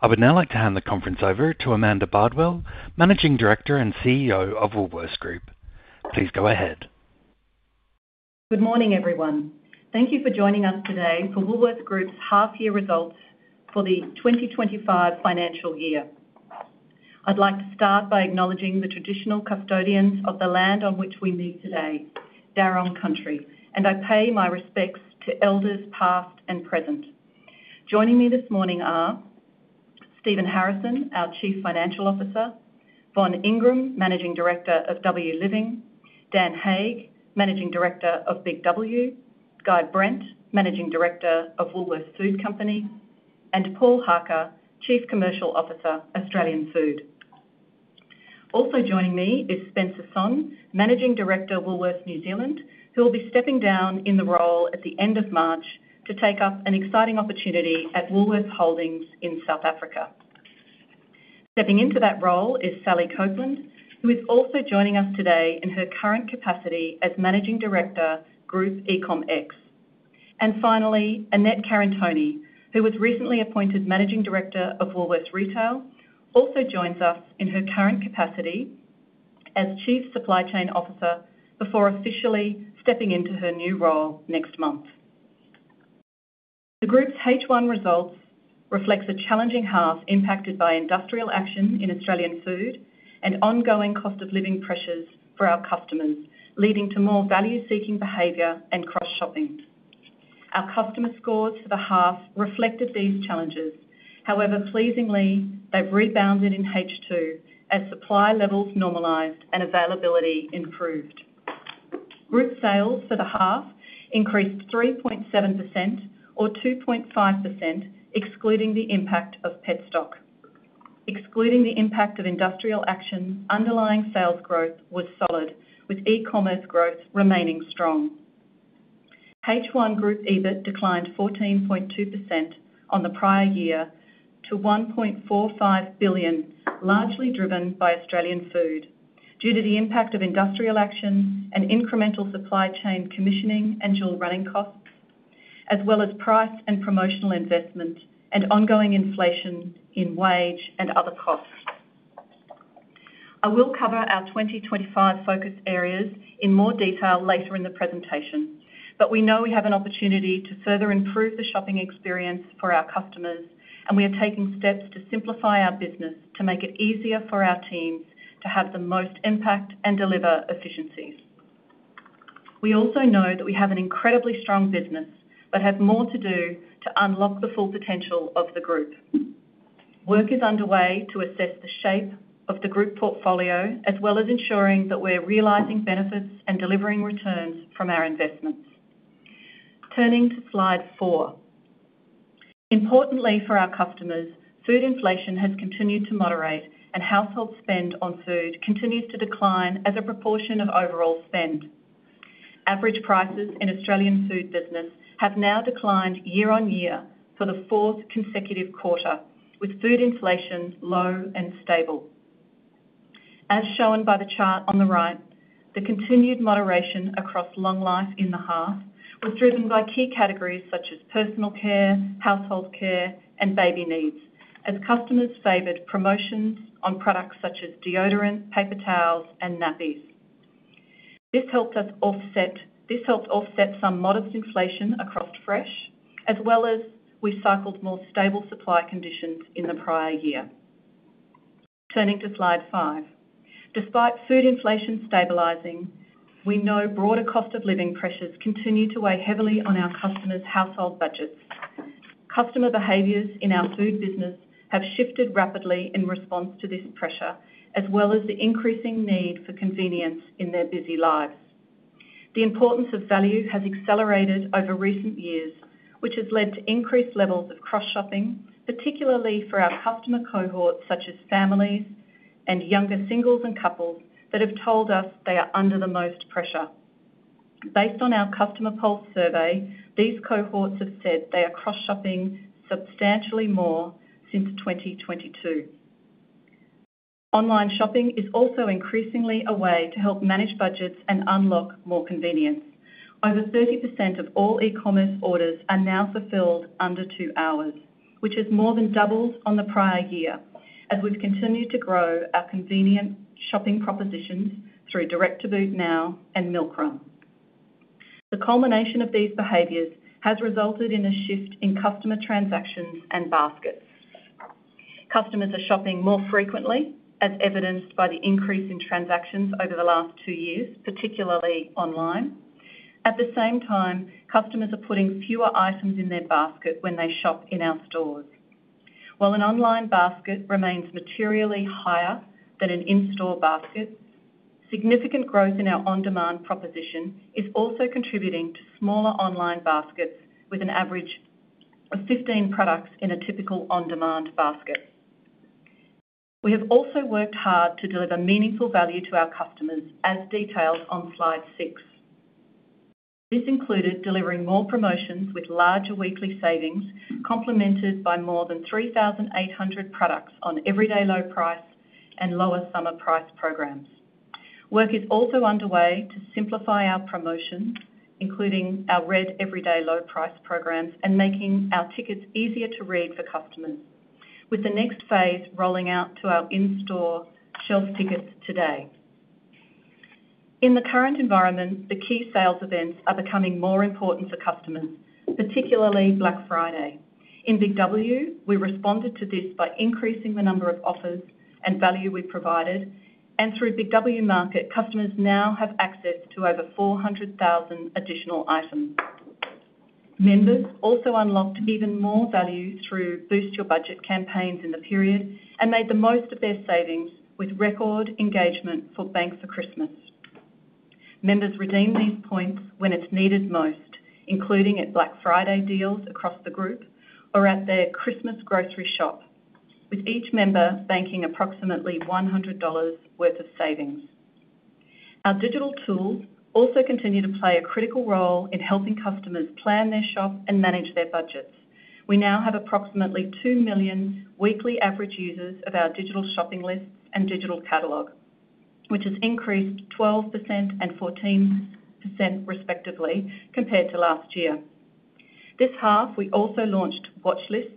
I would now like to hand the conference over to Amanda Bardwell, Managing Director and CEO of Woolworths Group. Please go ahead. Good morning, everyone. Thank you for joining us today for Woolworths Group's half-year results for the 2025 financial year. I'd like to start by acknowledging the traditional custodians of the land on which we meet today, Dharug Country, and I pay my respects to elders past and present. Joining me this morning are Stephen Harrison, our Chief Financial Officer, Von Ingram, Managing Director of W Living, Dan Hake, Managing Director of Big W, Guy Brent, Managing Director of Woolworths Food Company, and Paul Harker, Chief Commercial Officer, Australian Food. Also joining me is Spencer Sonn, Managing Director, Woolworths New Zealand, who will be stepping down in the role at the end of March to take up an exciting opportunity at Woolworths Holdings in South Africa. Stepping into that role is Sally Copland, who is also joining us today in her current capacity as Managing Director, Group eComX, and finally, Annette Karantoni, who was recently appointed Managing Director of Woolworths Retail, also joins us in her current capacity as Chief Supply Chain Officer before officially stepping into her new role next month. The group's H1 results reflect a challenging half impacted by industrial action in Australian Food and ongoing cost of living pressures for our customers, leading to more value-seeking behavior and cross-shopping. Our customer scores for the half reflected these challenges. However, pleasingly, they've rebounded in H2 as supply levels normalized and availability improved. Group sales for the half increased 3.7% or 2.5%, excluding the impact of Petstock. Excluding the impact of industrial action, underlying sales growth was solid, with e-commerce growth remaining strong. H1 Group EBIT declined 14.2% on the prior year to 1.45 billion, largely driven by Australian Food due to the impact of industrial action and incremental supply chain commissioning and dual running costs, as well as price and promotional investment and ongoing inflation in wage and other costs. I will cover our 2025 focus areas in more detail later in the presentation, but we know we have an opportunity to further improve the shopping experience for our customers, and we are taking steps to simplify our business to make it easier for our teams to have the most impact and deliver efficiencies. We also know that we have an incredibly strong business but have more to do to unlock the full potential of the group. Work is underway to assess the shape of the group portfolio, as well as ensuring that we're realising benefits and delivering returns from our investments. Turning to slide 4. Importantly for our customers, food inflation has continued to moderate, and household spend on food continues to decline as a proportion of overall spend. Average prices in Australian food business have now declined year on year for the fourth consecutive quarter, with food inflation low and stable. As shown by the chart on the right, the continued moderation across long life in the half was driven by key categories such as personal care, household care, and baby needs, as customers favored promotions on products such as deodorant, paper towels, and nappies. This helped us offset some modest inflation across fresh, as well as we cycled more stable supply conditions in the prior year. Turning to slide 5. Despite food inflation stabilizing, we know broader cost of living pressures continue to weigh heavily on our customers' household budgets. Customer behaviors in our food business have shifted rapidly in response to this pressure, as well as the increasing need for convenience in their busy lives. The importance of value has accelerated over recent years, which has led to increased levels of cross-shopping, particularly for our customer cohorts such as families and younger singles and couples that have told us they are under the most pressure. Based on our Customer Pulse survey, these cohorts have said they are cross-shopping substantially more since 2022. Online shopping is also increasingly a way to help manage budgets and unlock more convenience. Over 30% of all e-commerce orders are now fulfilled under two hours, which is more than doubled on the prior year as we've continued to grow our convenient shopping propositions through Direct to Boot now and Milkrun. The culmination of these behaviors has resulted in a shift in customer transactions and baskets. Customers are shopping more frequently, as evidenced by the increase in transactions over the last two years, particularly online. At the same time, customers are putting fewer items in their basket when they shop in our stores. While an online basket remains materially higher than an in-store basket, significant growth in our on-demand proposition is also contributing to smaller online baskets with an average of 15 products in a typical on-demand basket. We have also worked hard to deliver meaningful value to our customers, as detailed on slide 6. This included delivering more promotions with larger weekly savings, complemented by more than 3,800 products on everyday low price and lower summer price programs. Work is also underway to simplify our promotions, including our red everyday low price programs and making our tickets easier to read for customers, with the next phase rolling out to our in-store shelf tickets today. In the current environment, the key sales events are becoming more important for customers, particularly Black Friday. In Big W, we responded to this by increasing the number of offers and value we provided, and through Big W Market, customers now have access to over 400,000 additional items. Members also unlocked even more value through Boost Your Budget campaigns in the period and made the most of their savings with record engagement for Bank for Christmas. Members redeem these points when it's needed most, including at Black Friday deals across the group or at their Christmas grocery shop, with each member banking approximately 100 dollars worth of savings. Our digital tools also continue to play a critical role in helping customers plan their shop and manage their budgets. We now have approximately 2 million weekly average users of our digital shopping lists and digital catalog, which has increased 12% and 14% respectively compared to last year. This half, we also launched Watchlists,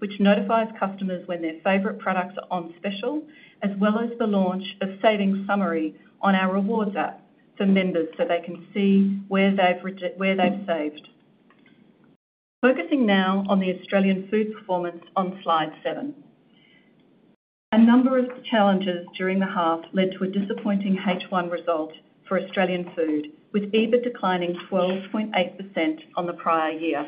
which notifies customers when their favorite products are on special, as well as the launch of Savings Summary on our Rewards app for members so they can see where they've saved. Focusing now on the Australian food performance on slide 7. A number of challenges during the half led to a disappointing H1 result for Australian food, with EBIT declining 12.8% on the prior year.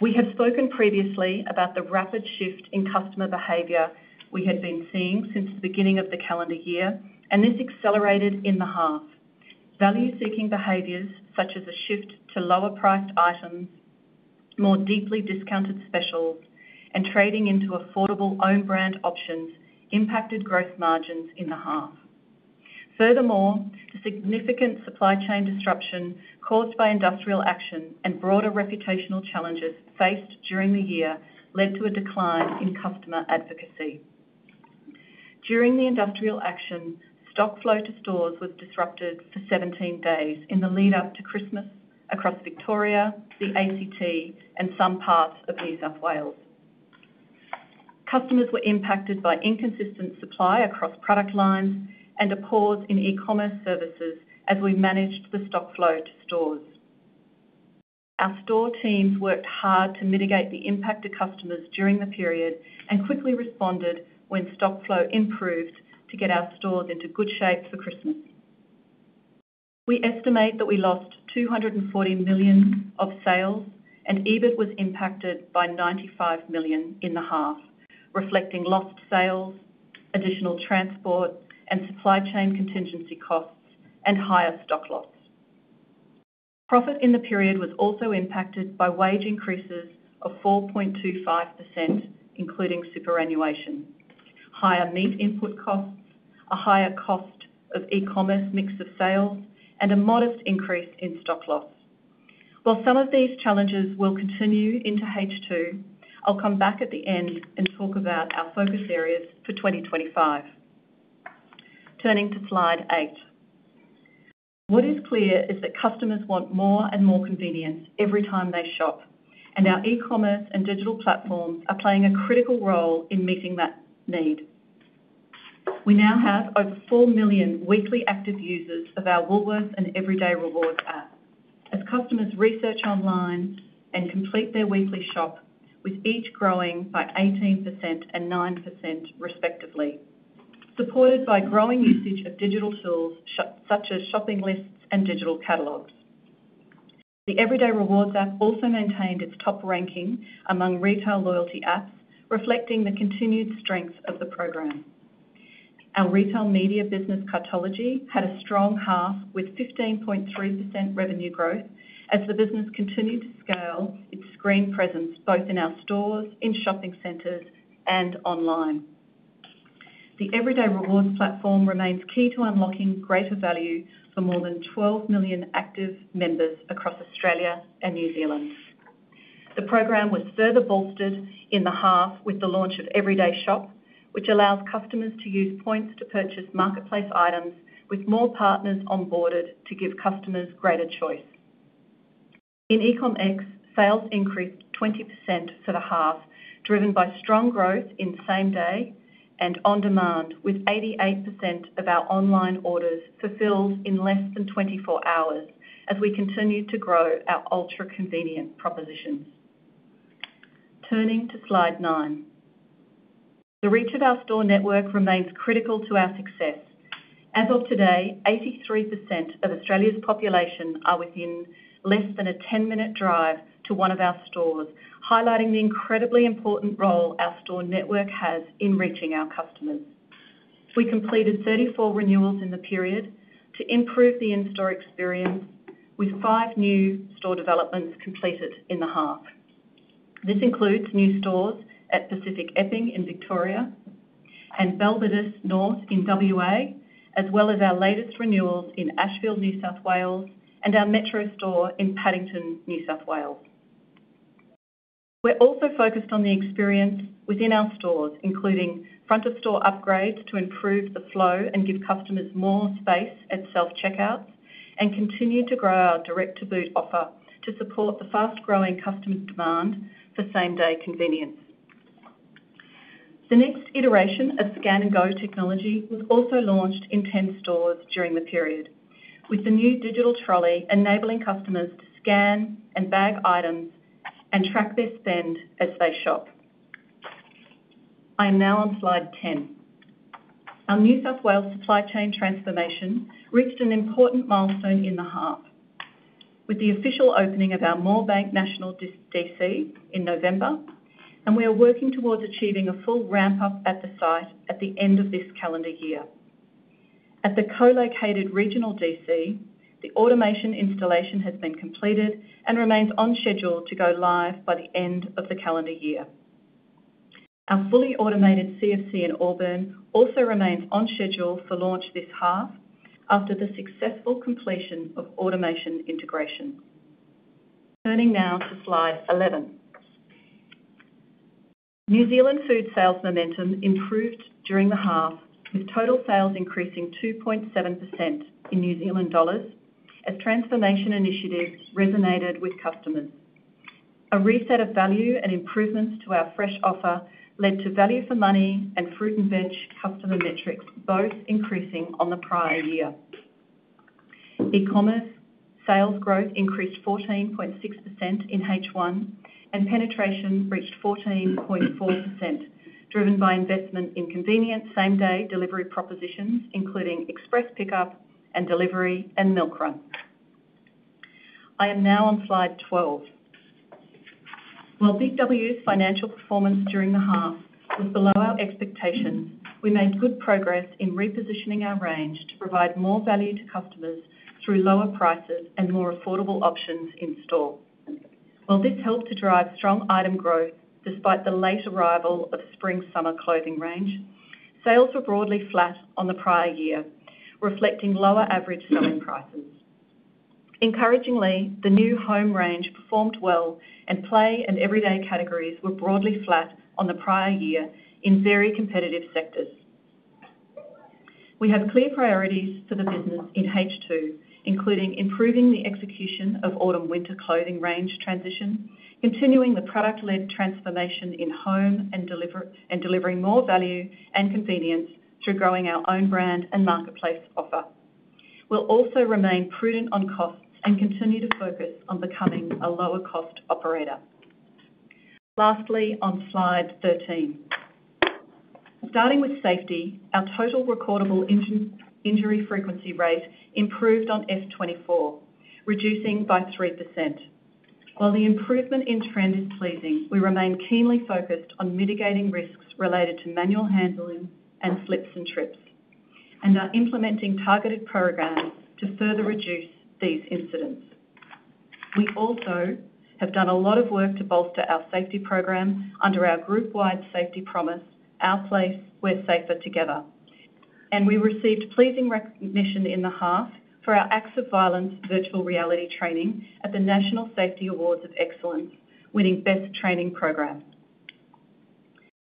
We have spoken previously about the rapid shift in customer behavior we had been seeing since the beginning of the calendar year, and this accelerated in the half. Value-seeking behaviors such as a shift to lower priced items, more deeply discounted specials, and trading into affordable own brand options impacted growth margins in the half. Furthermore, the significant supply chain disruption caused by industrial action and broader reputational challenges faced during the year led to a decline in customer advocacy. During the industrial action, stock flow to stores was disrupted for 17 days in the lead-up to Christmas across Victoria, the ACT, and some parts of New South Wales. Customers were impacted by inconsistent supply across product lines and a pause in e-commerce services as we managed the stock flow to stores. Our store teams worked hard to mitigate the impact to customers during the period and quickly responded when stock flow improved to get our stores into good shape for Christmas. We estimate that we lost 240 million of sales, and EBIT was impacted by 95 million in the half, reflecting lost sales, additional transport and supply chain contingency costs, and higher stock loss. Profit in the period was also impacted by wage increases of 4.25%, including superannuation, higher meat input costs, a higher cost of e-commerce mix of sales, and a modest increase in stock loss. While some of these challenges will continue into H2, I'll come back at the end and talk about our focus areas for 2025. Turning to slide 8. What is clear is that customers want more and more convenience every time they shop, and our e-commerce and digital platforms are playing a critical role in meeting that need. We now have over 4 million weekly active users of our Woolworths and Everyday Rewards app as customers research online and complete their weekly shop, with each growing by 18% and 9% respectively, supported by growing usage of digital tools such as shopping lists and digital catalogs. The Everyday Rewards app also maintained its top ranking among retail loyalty apps, reflecting the continued strength of the program. Our retail media business Cartology had a strong half with 15.3% revenue growth as the business continued to scale its screen presence both in our stores, in shopping centers, and online. The Everyday Rewards platform remains key to unlocking greater value for more than 12 million active members across Australia and New Zealand. The program was further bolstered in the half with the launch of Everyday Shop, which allows customers to use points to purchase marketplace items with more partners onboarded to give customers greater choice. In eCom X, sales increased 20% for the half, driven by strong growth in same day and on demand, with 88% of our online orders fulfilled in less than 24 hours as we continue to grow our ultra convenient propositions. Turning to slide 9. The reach of our store network remains critical to our success. As of today, 83% of Australia's population are within less than a 10-minute drive to one of our stores, highlighting the incredibly important role our store network has in reaching our customers. We completed 34 renewals in the period to improve the in-store experience, with five new store developments completed in the half. This includes new stores at Pacific Epping in Victoria and Baldivis North in WA, as well as our latest renewals in Ashfield, New South Wales, and our Metro store in Paddington, New South Wales. We're also focused on the experience within our stores, including front-of-store upgrades to improve the flow and give customers more space at self-checkouts, and continue to grow our Direct to Boot offer to support the fast-growing customer demand for same-day convenience. The next iteration of Scan & Go technology was also launched in 10 stores during the period, with the new digital trolley enabling customers to scan and bag items and track their spend as they shop. I am now on slide 10. Our New South Wales supply chain transformation reached an important milestone in the half with the official opening of our Moorebank National DC in November, and we are working towards achieving a full ramp-up at the site at the end of this calendar year. At the co-located regional DC, the automation installation has been completed and remains on schedule to go live by the end of the calendar year. Our fully automated CFC in Auburn also remains on schedule for launch this half after the successful completion of automation integration. Turning now to slide 11. New Zealand food sales momentum improved during the half, with total sales increasing 2.7% in NZD as transformation initiatives resonated with customers. A reset of value and improvements to our fresh offer led to value for money and fruit and veg customer metrics both increasing on the prior year. E-commerce sales growth increased 14.6% in H1, and penetration reached 14.4%, driven by investment in convenient same-day delivery propositions, including express pickup and delivery and Milkrun. I am now on slide 12. While Big W's financial performance during the half was below our expectations, we made good progress in repositioning our range to provide more value to customers through lower prices and more affordable options in store. While this helped to drive strong item growth despite the late arrival of spring-summer clothing range, sales were broadly flat on the prior year, reflecting lower average selling prices. Encouragingly, the new home range performed well, and Play and Everyday categories were broadly flat on the prior year in very competitive sectors. We have clear priorities for the business in H2, including improving the execution of autumn-winter clothing range transition, continuing the product-led transformation in home, and delivering more value and convenience through growing our own brand and marketplace offer. We'll also remain prudent on costs and continue to focus on becoming a lower-cost operator. Lastly, on Slide 13. Starting with safety, our Total Recordable Injury Frequency Rate improved on F24, reducing by 3%. While the improvement in trend is pleasing, we remain keenly focused on mitigating risks related to manual handling and slips and trips, and are implementing targeted programs to further reduce these incidents. We also have done a lot of work to bolster our safety program under our group-wide safety promise, Our Place. We're Safer Together, and we received pleasing recognition in the half for our acts of violence virtual reality training at the National Safety Awards of Excellence, winning best training program.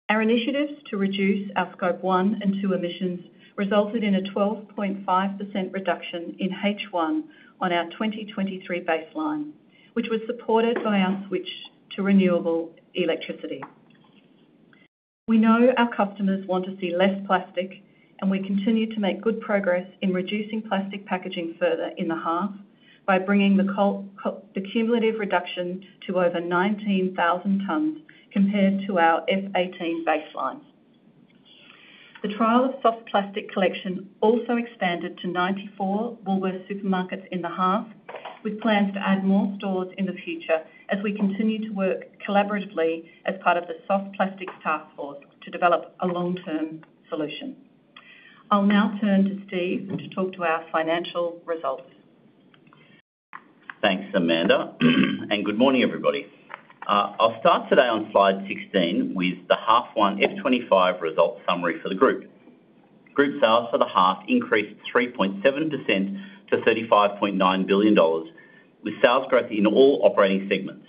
Our initiatives to reduce our Scope 1 and 2 emissions resulted in a 12.5% reduction in H1 on our 2023 baseline, which was supported by our switch to renewable electricity. We know our customers want to see less plastic, and we continue to make good progress in reducing plastic packaging further in the half by bringing the cumulative reduction to over 19,000 tons compared to our FY18 baseline. The trial of soft plastic collection also expanded to 94 Woolworths Supermarkets in the half, with plans to add more stores in the future as we continue to work collaboratively as part of the Soft Plastics Taskforce to develop a long-term solution. I'll now turn to to talk to our financial results. Thanks, Amanda, and good morning, everybody. I'll start today on slide 16 with the H1 FY25 result summary for the group. Group sales for the half increased 3.7% to 35.9 billion dollars, with sales growth in all operating segments.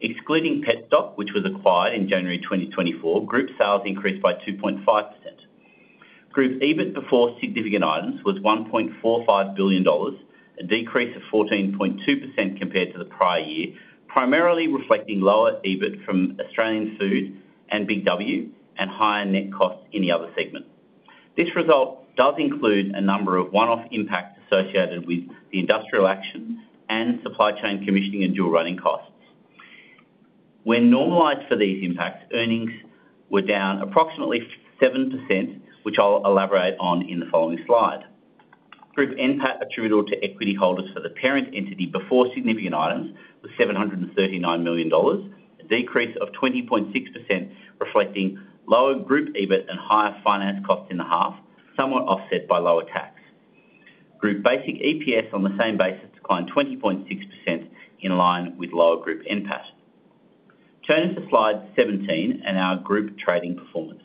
Excluding Petstock, which was acquired in January 2024, group sales increased by 2.5%. Group EBIT before significant items was 1.45 billion dollars, a decrease of 14.2% compared to the prior year, primarily reflecting lower EBIT from Australian Food and Big W and higher net costs in the other segment. This result does include a number of one-off impacts associated with the industrial action and supply chain commissioning and dual running costs. When normalised for these impacts, earnings were down approximately 7%, which I'll elaborate on in the following slide. Group NPAT attributable to equity holders for the parent entity before significant items was 739 million dollars, a decrease of 20.6%, reflecting lower group EBIT and higher finance costs in the half, somewhat offset by lower tax. Group basic EPS on the same basis declined 20.6% in line with lower group NPAT. Turning to slide 17 and our group trading performance.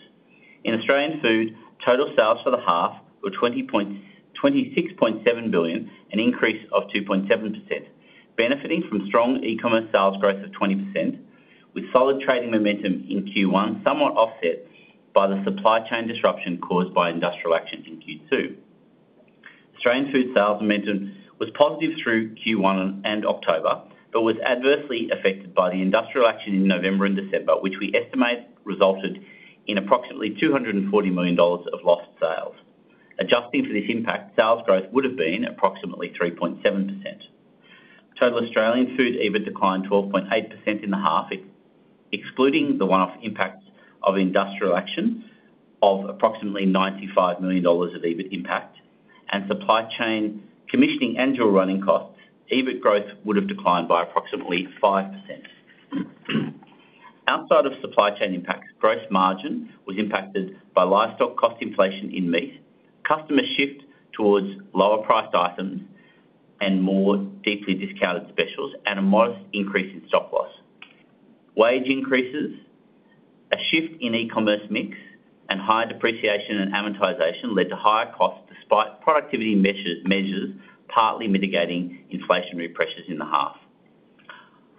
In Australian food, total sales for the half were 26.7 billion, an increase of 2.7%, benefiting from strong e-commerce sales growth of 20%, with solid trading momentum in Q1 somewhat offset by the supply chain disruption caused by industrial action in Q2. Australian Food sales momentum was positive through Q1 and October but was adversely affected by the industrial action in November and December, which we estimate resulted in approximately 240 million dollars of lost sales. Adjusting for this impact, sales growth would have been approximately 3.7%. Total Australian Food EBIT declined 12.8% in the half, excluding the one-off impacts of industrial action of approximately 95 million dollars of EBIT impact, and supply chain commissioning and dual running costs, EBIT growth would have declined by approximately 5%. Outside of supply chain impacts, gross margin was impacted by livestock cost inflation in meat, customer shift towards lower-priced items and more deeply discounted specials, and a modest increase in stock loss. Wage increases, a shift in e-commerce mix, and higher depreciation and amortization led to higher costs despite productivity measures partly mitigating inflationary pressures in the half.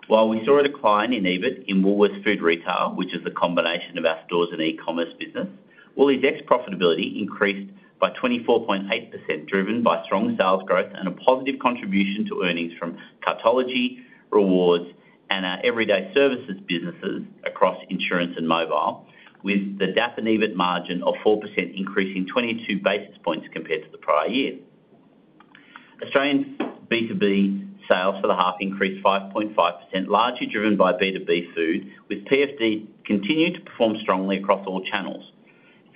While we saw a decline in EBIT in Woolworths Food Retail, which is the combination of our stores and e-commerce business, Woolies X profitability increased by 24.8%, driven by strong sales growth and a positive contribution to earnings from Cartology, rewards, and our everyday services businesses across insurance and mobile, with the DAP and EBIT margin of 4% increasing 22 basis points compared to the prior year. Australian B2B sales for the half increased 5.5%, largely driven by B2B Food, with PFD continuing to perform strongly across all channels.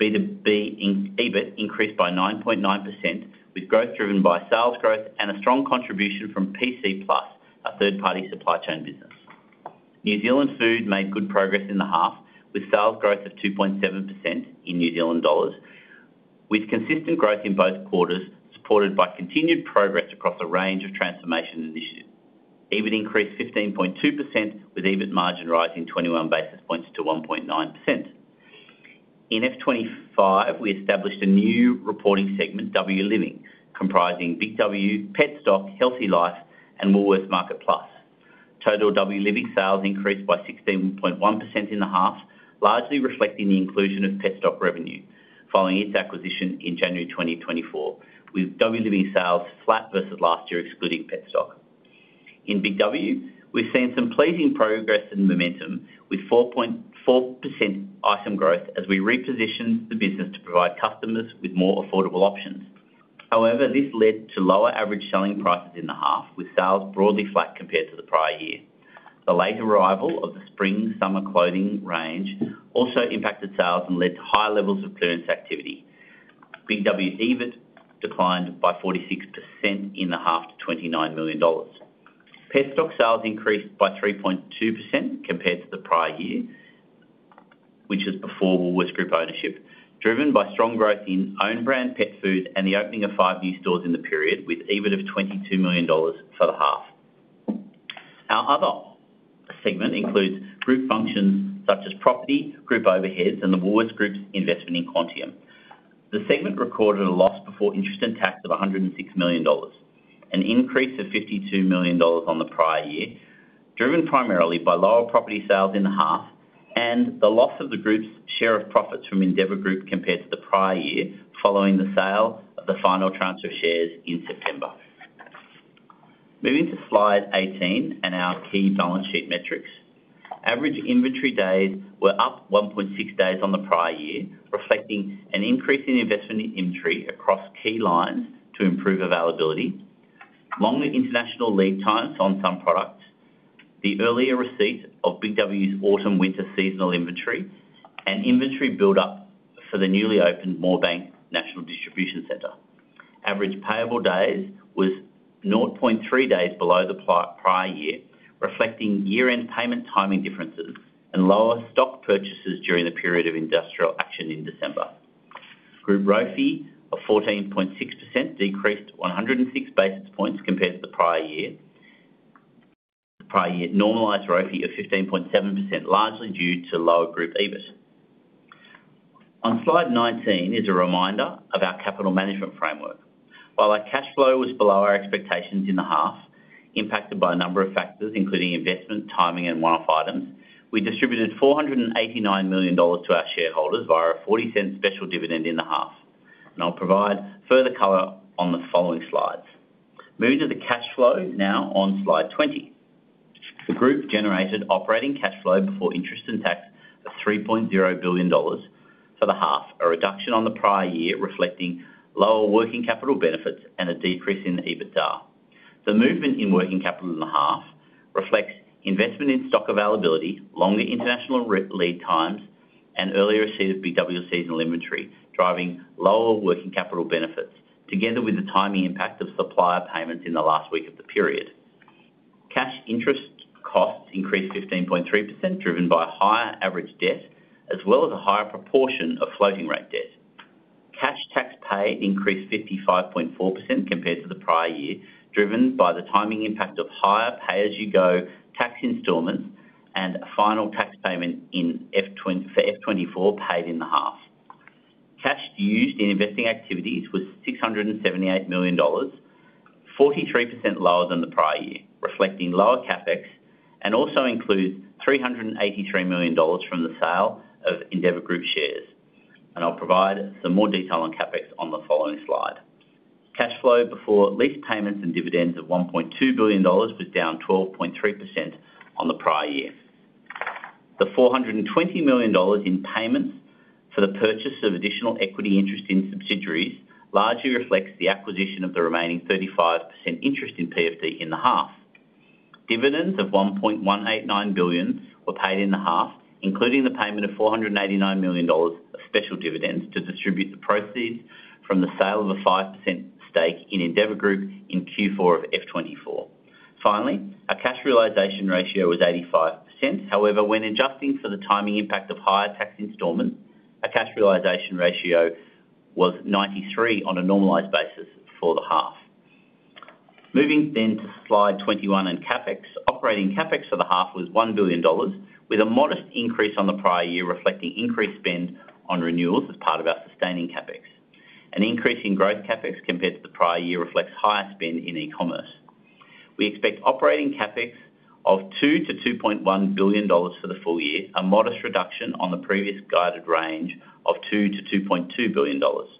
B2B EBIT increased by 9.9%, with growth driven by sales growth and a strong contribution from PC+, a third-party supply chain business. New Zealand food made good progress in the half, with sales growth of 2.7% in New Zealand dollars, with consistent growth in both quarters supported by continued progress across a range of transformation initiatives. EBIT increased 15.2%, with EBIT margin rising 21 basis points to 1.9%. In F25, we established a new reporting segment, W Living, comprising Big W, Petstock, HealthyLife, and Woolworths MarketPlus. Total W Living sales increased by 16.1% in the half, largely reflecting the inclusion of Petstock revenue following its acquisition in January 2024, with W Living sales flat versus last year, excluding Petstock. In Big W, we've seen some pleasing progress and momentum, with 4.4% item growth as we repositioned the business to provide customers with more affordable options. However, this led to lower average selling prices in the half, with sales broadly flat compared to the prior year. The late arrival of the spring-summer clothing range also impacted sales and led to high levels of clearance activity. Big W EBIT declined by 46% in the half to 29 million dollars. Petstock sales increased by 3.2% compared to the prior year, which is before Woolworths Group ownership, driven by strong growth in own brand Pet Food and the opening of five new stores in the period, with EBIT of 22 million dollars for the half. Our other segment includes group functions such as property, group overheads, and the Woolworths Group's investment in Quantium. The segment recorded a loss before interest and tax of 106 million dollars, an increase of 52 million dollars on the prior year, driven primarily by lower property sales in the half and the loss of the group's share of profits from Endeavour Group compared to the prior year following the sale of the final transfer shares in September. Moving to slide 18 and our key balance sheet metrics. Average inventory days were up 1.6 days on the prior year, reflecting an increase in investment in inventory across key lines to improve availability, longer international lead times on some products, the earlier receipt of Big W's autumn-winter seasonal inventory, and inventory build-up for the newly opened Moorebank National Distribution Centre. Average payable days was 0.3 days below the prior year, reflecting year-end payment timing differences and lower stock purchases during the period of industrial action in December. Group ROI of 14.6% decreased 106 basis points compared to the prior year. The prior year normalized ROI of 15.7%, largely due to lower group EBIT. On slide 19 is a reminder of our capital management framework. While our cash flow was below our expectations in the half, impacted by a number of factors including investment, timing, and one-off items, we distributed 489 million dollars to our shareholders via a 0.40 special dividend in the half. And I'll provide further color on the following slides. Moving to the cash flow now on slide 20. The group generated operating cash flow before interest and tax of 3.0 billion dollars for the half, a reduction on the prior year reflecting lower working capital benefits and a decrease in EBITDA. The movement in working capital in the half reflects investment in stock availability, longer international lead times, and earlier receipt of Big W seasonal inventory, driving lower working capital benefits, together with the timing impact of supplier payments in the last week of the period. Cash interest costs increased 15.3%, driven by higher average debt, as well as a higher proportion of floating rate debt. Cash tax pay increased 55.4% compared to the prior year, driven by the timing impact of higher pay-as-you-go tax installments and final tax payment for F24 paid in the half. Cash used in investing activities was $678 million, 43% lower than the prior year, reflecting lower CapEx, and also includes $383 million from the sale of Endeavour Group shares. And I'll provide some more detail on CapEx on the following slide. Cash flow before lease payments and dividends of $1.2 billion was down 12.3% on the prior year. The $420 million in payments for the purchase of additional equity interest in subsidiaries largely reflects the acquisition of the remaining 35% interest in PFD in the half. Dividends of 1.189 billion were paid in the half, including the payment of 489 million dollars of special dividends to distribute the proceeds from the sale of a 5% stake in Endeavour Group in Q4 of F24. Finally, our cash realization ratio was 85%. However, when adjusting for the timing impact of higher tax installments, our cash realization ratio was 93% on a normalized basis for the half. Moving then to slide 21 and CapEx. Operating CapEx for the half was 1 billion dollars, with a modest increase on the prior year reflecting increased spend on renewals as part of our sustaining CapEx. An increase in gross CapEx compared to the prior year reflects higher spend in e-commerce. We expect operating CapEx of 2 billion-2.1 billion dollars for the full year, a modest reduction on the previous guided range of 2 billion-2.2 billion dollars.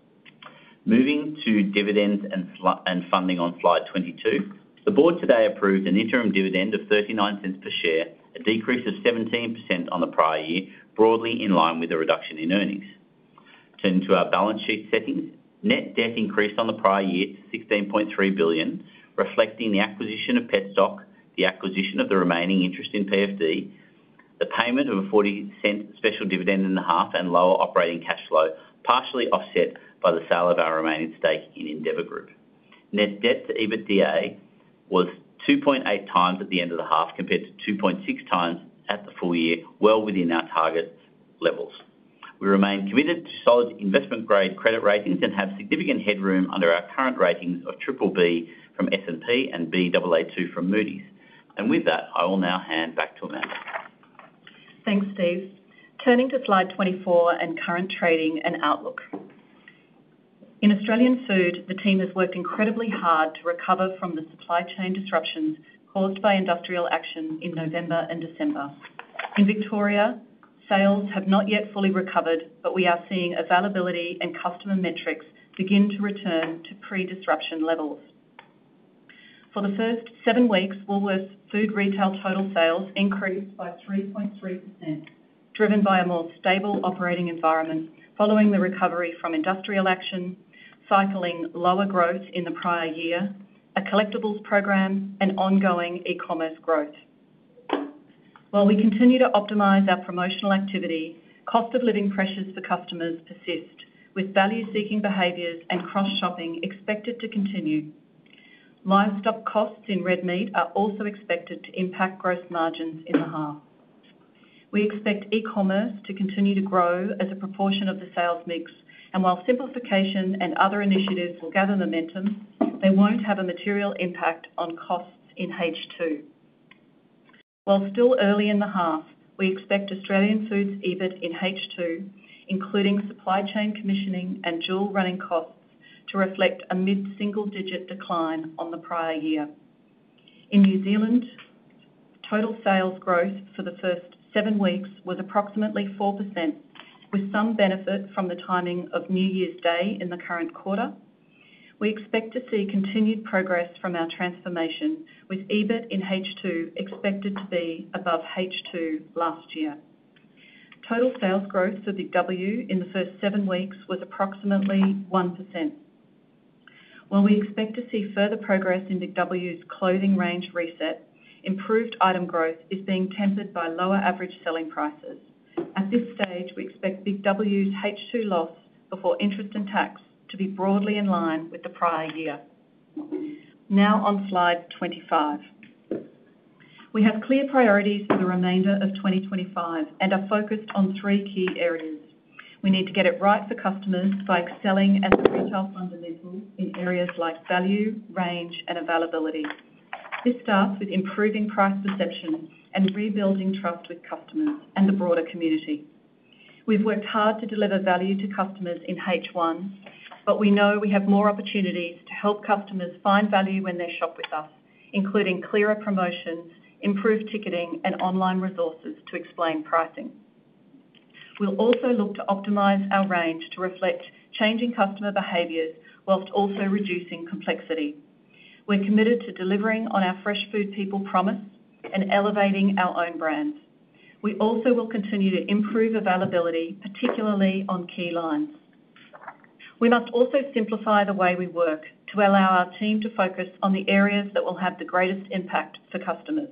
Moving to dividends and funding on slide 22, the board today approved an interim dividend of $0.39 per share, a decrease of 17% on the prior year, broadly in line with the reduction in earnings. Turning to our balance sheet settings, net debt increased on the prior year to $16.3 billion, reflecting the acquisition of Petstock, the acquisition of the remaining interest in PFD, the payment of a $0.40 special dividend in the half, and lower operating cash flow, partially offset by the sale of our remaining stake in Endeavour Group. Net debt to EBITDA was 2.8 times at the end of the half compared to 2.6 times at the full year, well within our target levels. We remain committed to solid investment-grade credit ratings and have significant headroom under our current ratings of BBB from S&P and BAA2 from Moody's. And with that, I will now hand back to Amanda. Thanks, Steve. Turning to slide 24 and current trading and outlook. In Australian Food, the team has worked incredibly hard to recover from the supply chain disruptions caused by industrial action in November and December. In Victoria, sales have not yet fully recovered, but we are seeing availability and customer metrics begin to return to pre-disruption levels. For the first seven weeks, Woolworths Food Retail total sales increased by 3.3%, driven by a more stable operating environment following the recovery from industrial action, cycling lower growth in the prior year, a collectibles program, and ongoing e-commerce growth. While we continue to optimize our promotional activity, cost-of-living pressures for customers persist, with value-seeking behaviors and cross-shopping expected to continue. Livestock costs in red meat are also expected to impact gross margins in the half. We expect e-commerce to continue to grow as a proportion of the sales mix, and while simplification and other initiatives will gather momentum, they won't have a material impact on costs in H2. While still early in the half, we expect Australian Food's EBIT in H2, including supply chain commissioning and dual running costs, to reflect a mid-single-digit decline on the prior year. In New Zealand, total sales growth for the first seven weeks was approximately 4%, with some benefit from the timing of New Year's Day in the current quarter. We expect to see continued progress from our transformation, with EBIT in H2 expected to be above H2 last year. Total sales growth for Big W in the first seven weeks was approximately 1%. While we expect to see further progress in Big W's clothing range reset, improved item growth is being tempered by lower average selling prices. At this stage, we expect Big W's H2 loss before interest and tax to be broadly in line with the prior year. Now on slide 25. We have clear priorities for the remainder of 2025 and are focused on three key areas. We need to get it right for customers by excelling as a retail fundamental in areas like value, range, and availability. This starts with improving price perception and rebuilding trust with customers and the broader community. We've worked hard to deliver value to customers in H1, but we know we have more opportunities to help customers find value when they shop with us, including clearer promotions, improved ticketing, and online resources to explain pricing. We'll also look to optimize our range to reflect changing customer behaviors while also reducing complexity. We're committed to delivering on our fresh food people promise and elevating our own brands. We also will continue to improve availability, particularly on key lines. We must also simplify the way we work to allow our team to focus on the areas that will have the greatest impact for customers.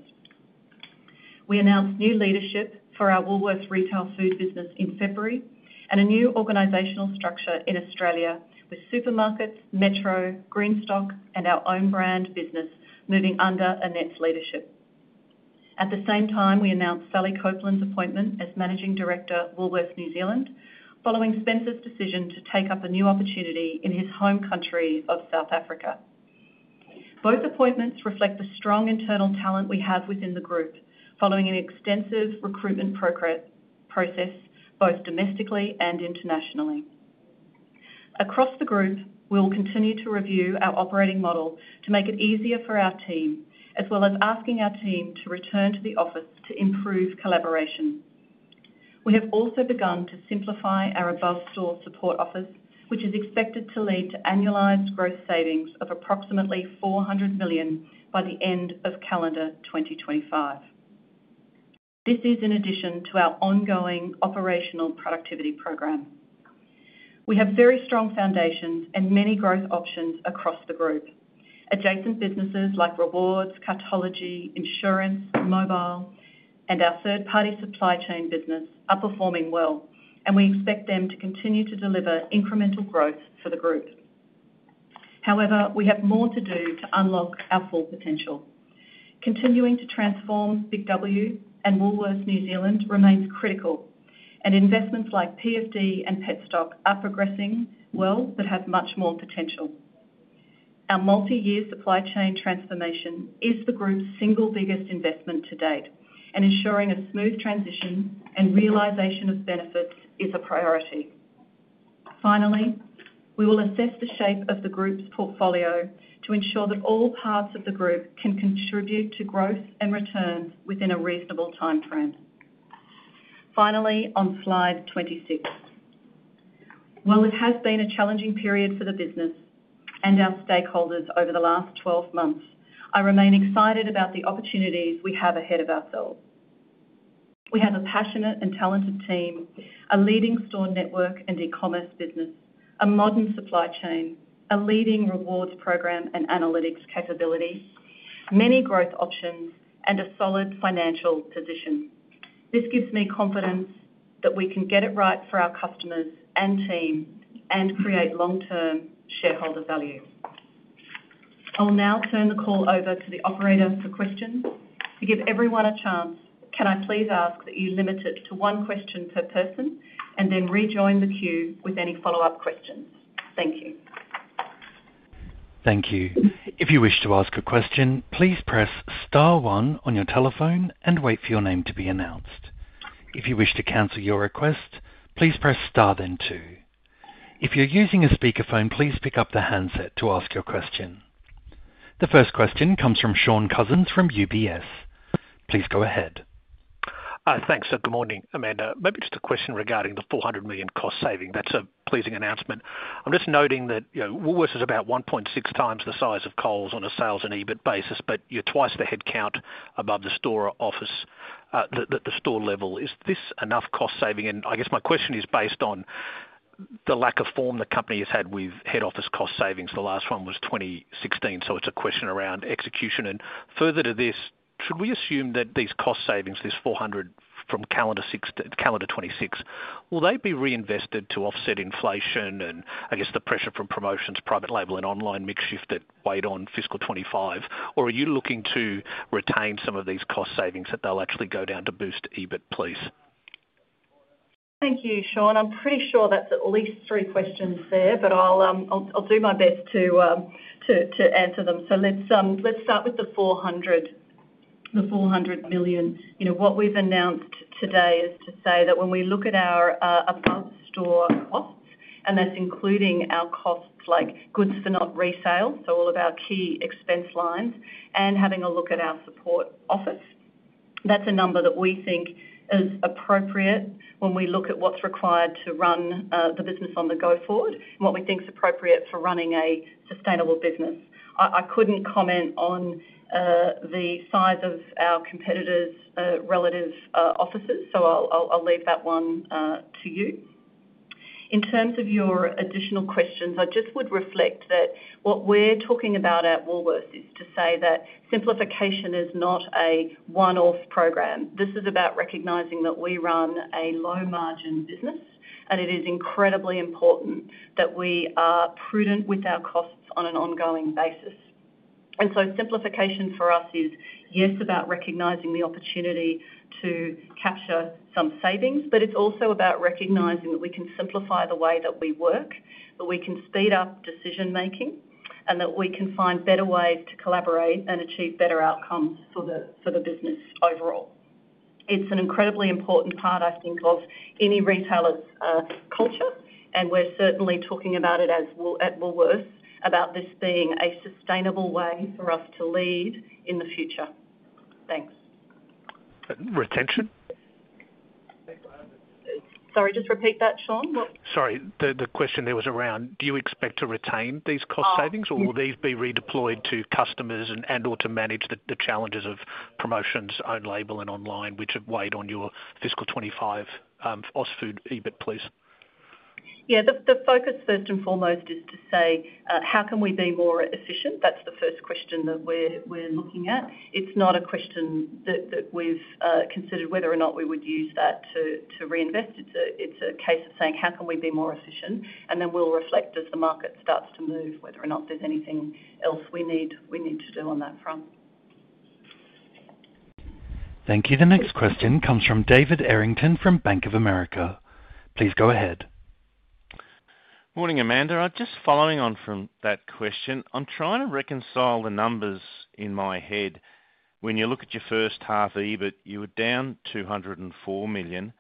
We announced new leadership for our Woolworths Retail Food business in February and a new organizational structure in Australia with supermarkets, Metro, Greenstock, and our own brand business moving under Annette's leadership. At the same time, we announced Sally Copland's appointment as Managing Director, Woolworths New Zealand, following Spencer's decision to take up a new opportunity in his home country of South Africa. Both appointments reflect the strong internal talent we have within the group following an extensive recruitment process, both domestically and internationally. Across the group, we'll continue to review our operating model to make it easier for our team, as well as asking our team to return to the office to improve collaboration. We have also begun to simplify our above-store support office, which is expected to lead to annualized gross savings of approximately 400 million by the end of calendar 2025. This is in addition to our ongoing operational productivity program. We have very strong foundations and many growth options across the group. Adjacent businesses like Rewards, Cartology, Insurance, Mobile, and our third-party supply chain business are performing well, and we expect them to continue to deliver incremental growth for the group. However, we have more to do to unlock our full potential. Continuing to transform Big W and Woolworths New Zealand remains critical, and investments like PFD and Petstock are progressing well but have much more potential. Our multi-year supply chain transformation is the group's single biggest investment to date, and ensuring a smooth transition and realization of benefits is a priority. Finally, we will assess the shape of the group's portfolio to ensure that all parts of the group can contribute to growth and returns within a reasonable timeframe. Finally, on slide 26. While it has been a challenging period for the business and our stakeholders over the last 12 months, I remain excited about the opportunities we have ahead of ourselves. We have a passionate and talented team, a leading store network and e-commerce business, a modern supply chain, a leading rewards program and analytics capability, many growth options, and a solid financial position. This gives me confidence that we can get it right for our customers and team and create long-term shareholder value. I will now turn the call over to the operator for questions. To give everyone a chance, can I please ask that you limit it to one question per person and then rejoin the queue with any follow-up questions? Thank you. Thank you. If you wish to ask a question, please press Star 1 on your telephone and wait for your name to be announced. If you wish to cancel your request, please press Star then 2. If you're using a speakerphone, please pick up the handset to ask your question. The first question comes from Shaun Cousins from UBS. Please go ahead. Thanks. Good morning, Amanda. Maybe just a question regarding the 400 million cost saving. That's a pleasing announcement. I'm just noting that Woolworths is about 1.6 times the size of Coles on a sales and EBIT basis, but you're twice the headcount above the store office, the store level. Is this enough cost saving? And I guess my question is based on the lack of form the company has had with head office cost savings. The last one was 2016, so it's a question around execution. And further to this, should we assume that these cost savings, this $400 from calendar 2026, will they be reinvested to offset inflation and, I guess, the pressure from promotions, private label, and online mix shift that weighed on fiscal 2025? Or are you looking to retain some of these cost savings that they'll actually go down to boost EBIT, please? Thank you, Shaun. I'm pretty sure that's at least three questions there, but I'll do my best to answer them. So let's start with the 400 million. What we've announced today is to say that when we look at our above-store costs, and that's including our costs like goods for not resale, so all of our key expense lines, and having a look at our support office, that's a number that we think is appropriate when we look at what's required to run the business on the go forward and what we think is appropriate for running a sustainable business. I couldn't comment on the size of our competitors' relative offices, so I'll leave that one to you. In terms of your additional questions, I just would reflect that what we're talking about at Woolworths is to say that simplification is not a one-off program. This is about recognizing that we run a low-margin business, and it is incredibly important that we are prudent with our costs on an ongoing basis. And so simplification for us is, yes, about recognizing the opportunity to capture some savings, but it's also about recognizing that we can simplify the way that we work, that we can speed up decision-making, and that we can find better ways to collaborate and achieve better outcomes for the business overall. It's an incredibly important part, I think, of any retailer's culture, and we're certainly talking about it at Woolworths about this being a sustainable way for us to lead in the future. Thanks. Retention? Sorry, just repeat that, Shaun. Sorry. The question there was around, do you expect to retain these cost savings, or will these be redeployed to customers and/or to manage the challenges of promotions, own label, and online, which have weighed on your fiscal 25 Australian Food EBIT, please? Yeah. The focus first and foremost is to say, how can we be more efficient? That's the first question that we're looking at. It's not a question that we've considered whether or not we would use that to reinvest. It's a case of saying, how can we be more efficient? And then we'll reflect as the market starts to move whether or not there's anything else we need to do on that front. Thank you. The next question comes from David Errington from Bank of America. Please go ahead. Morning, Amanda. Just following on from that question, I'm trying to reconcile the numbers in my head. When you look at your first half EBIT, you were down 204 million.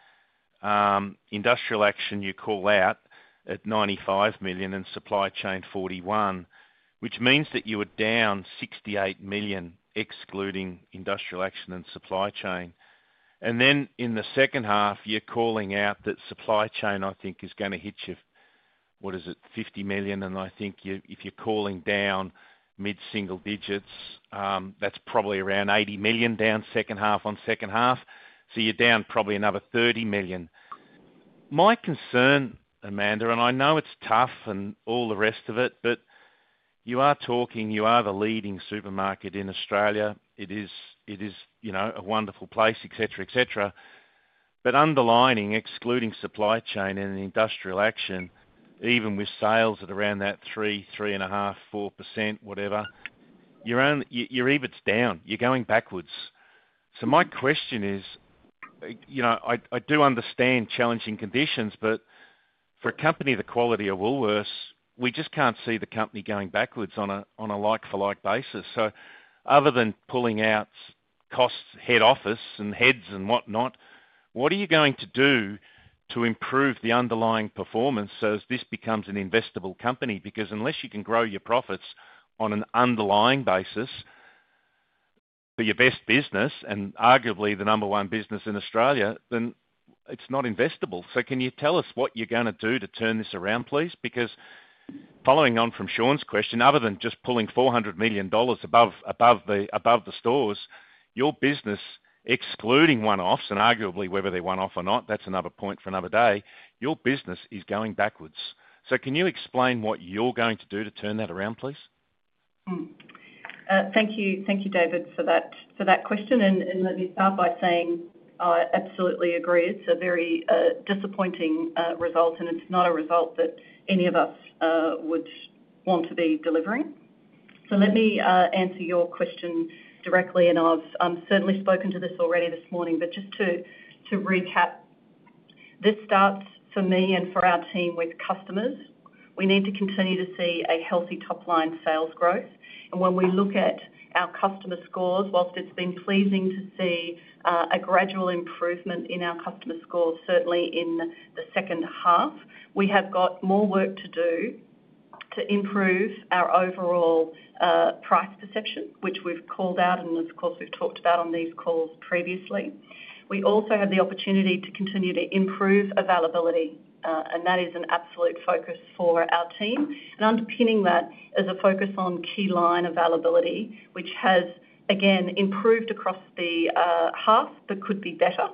Industrial action, you call out at 95 million and supply chain 41 million, which means that you were down 68 million, excluding industrial action and supply chain. And then in the second half, you're calling out that supply chain, I think, is going to hit your, what is it, 50 million. And I think if you're calling down mid-single digits, that's probably around 80 million down second half on second half. So you're down probably another 30 million. My concern, Amanda, and I know it's tough and all the rest of it, but you are talking, you are the leading supermarket in Australia. It is a wonderful place, etc., etc. But underlying, excluding supply chain and industrial action, even with sales at around that 3, 3.5, 4%, whatever, your EBIT's down. You're going backwards. So my question is, I do understand challenging conditions, but for a company the quality of Woolworths, we just can't see the company going backwards on a like-for-like basis. So other than pulling out costs head office and heads and whatnot, what are you going to do to improve the underlying performance so as this becomes an investable company? Because unless you can grow your profits on an underlying basis for your best business, and arguably the number one business in Australia, then it's not investable. So can you tell us what you're going to do to turn this around, please? Because following on from Shaun's question, other than just pulling 400 million dollars above the stores, your business, excluding one-offs and arguably whether they're one-off or not, that's another point for another day, your business is going backwards. So can you explain what you're going to do to turn that around, please? Thank you, David, for that question. And let me start by saying I absolutely agree. It's a very disappointing result, and it's not a result that any of us would want to be delivering. So let me answer your question directly, and I've certainly spoken to this already this morning. But just to recap, this starts for me and for our team with customers. We need to continue to see a healthy top-line sales growth. And when we look at our customer scores, whilst it's been pleasing to see a gradual improvement in our customer scores, certainly in the second half, we have got more work to do to improve our overall price perception, which we've called out and, of course, we've talked about on these calls previously. We also have the opportunity to continue to improve availability, and that is an absolute focus for our team. And underpinning that is a focus on key line availability, which has, again, improved across the half but could be better.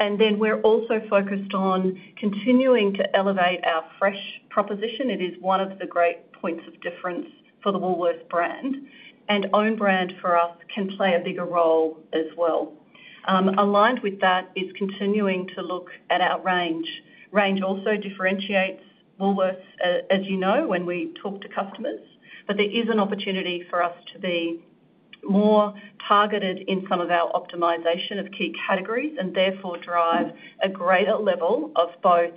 And then we're also focused on continuing to elevate our fresh proposition. It is one of the great points of difference for the Woolworths brand. And own brand for us can play a bigger role as well. Aligned with that is continuing to look at our range. Range also differentiates Woolworths, as you know, when we talk to customers. But there is an opportunity for us to be more targeted in some of our optimization of key categories and therefore drive a greater level of both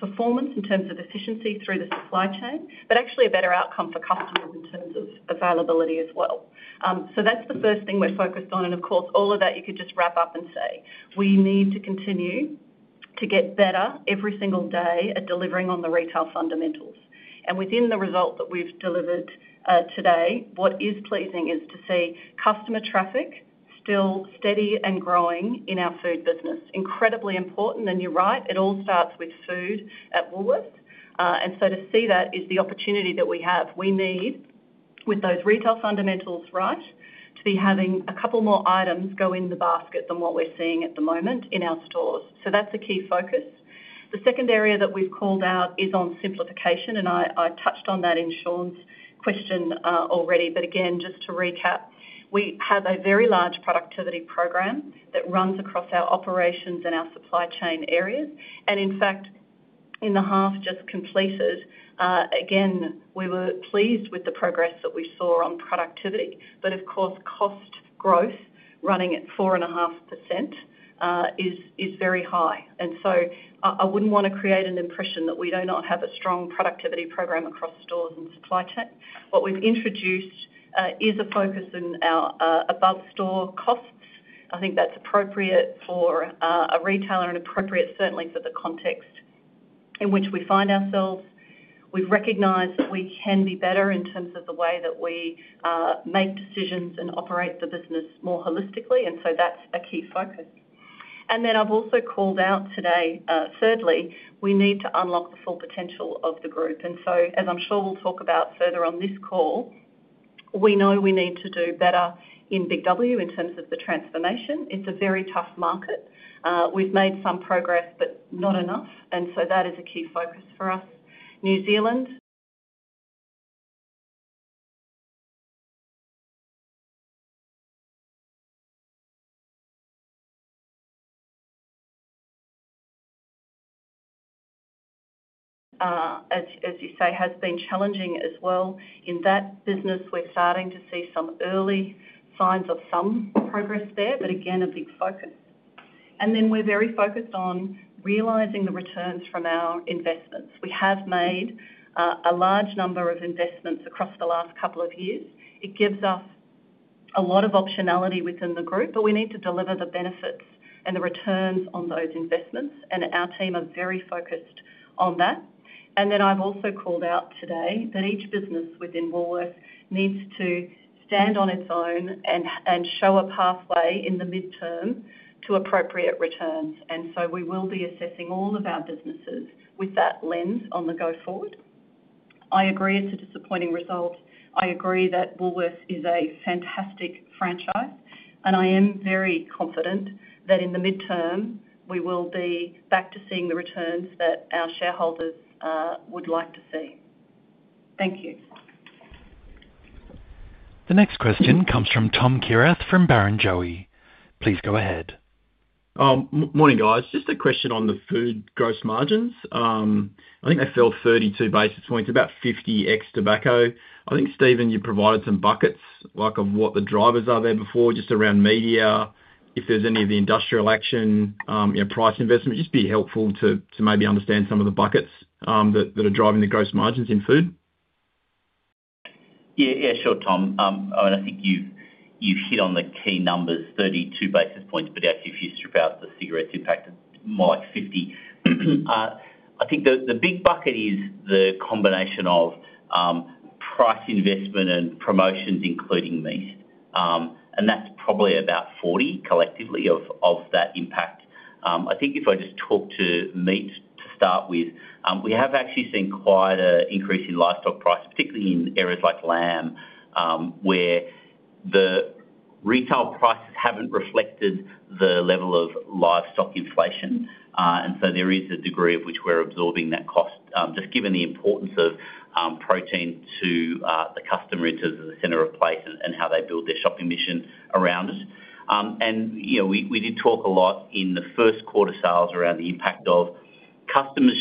performance in terms of efficiency through the supply chain, but actually a better outcome for customers in terms of availability as well. So that's the first thing we're focused on. And of course, all of that, you could just wrap up and say we need to continue to get better every single day at delivering on the retail fundamentals. And within the result that we've delivered today, what is pleasing is to see customer traffic still steady and growing in our food business. Incredibly important. And you're right, it all starts with food at Woolworths. And so to see that is the opportunity that we have. We need, with those retail fundamentals right, to be having a couple more items go in the basket than what we're seeing at the moment in our stores. So that's a key focus. The second area that we've called out is on simplification, and I touched on that in Shaun's question already. But again, just to recap, we have a very large productivity program that runs across our operations and our supply chain areas. And in fact, in the half just completed, again, we were pleased with the progress that we saw on productivity. But of course, cost growth running at 4.5% is very high. And so I wouldn't want to create an impression that we do not have a strong productivity program across stores and supply chain. What we've introduced is a focus in our above-store costs. I think that's appropriate for a retailer and appropriate, certainly, for the context in which we find ourselves. We've recognized that we can be better in terms of the way that we make decisions and operate the business more holistically. And then I've also called out today, thirdly, we need to unlock the full potential of the group. And so, as I'm sure we'll talk about further on this call, we know we need to do better in Big W in terms of the transformation. It's a very tough market. We've made some progress, but not enough. And so that is a key focus for us. New Zealand, as you say, has been challenging as well. In that business, we're starting to see some early signs of some progress there, but again, a big focus. And then we're very focused on realizing the returns from our investments. We have made a large number of investments across the last couple of years. It gives us a lot of optionality within the group, but we need to deliver the benefits and the returns on those investments. And our team are very focused on that. Then I've also called out today that each business within Woolworths needs to stand on its own and show a pathway in the midterm to appropriate returns. And so we will be assessing all of our businesses with that lens on the going forward. I agree it's a disappointing result. I agree that Woolworths is a fantastic franchise, and I am very confident that in the midterm, we will be back to seeing the returns that our shareholders would like to see. Thank you. The next question comes from Tom Kierath from Barrenjoey. Please go ahead. Morning, guys. Just a question on the food gross margins. I think they fell 32 basis points, about 50 ex tobacco. I think, Stephen, you provided some buckets of what the drivers are there before, just around media, if there's any of the industrial action, price investment. It'd just be helpful to maybe understand some of the buckets that are driving the gross margins in Food. Yeah, yeah, sure, Tom. I mean, I think you've hit on the key numbers, 32 basis points, but actually, if you strip out the cigarette impact, it's more like 50. I think the big bucket is the combination of price investment and promotions, including meat. And that's probably about 40 collectively of that impact. I think if I just talk to meat to start with, we have actually seen quite an increase in livestock price, particularly in areas like lamb, where the retail prices haven't reflected the level of livestock inflation. And so there is a degree of which we're absorbing that cost, just given the importance of protein to the customer in terms of the center of place and how they build their shopping mission around it. And we did talk a lot in the first quarter sales around the impact of customers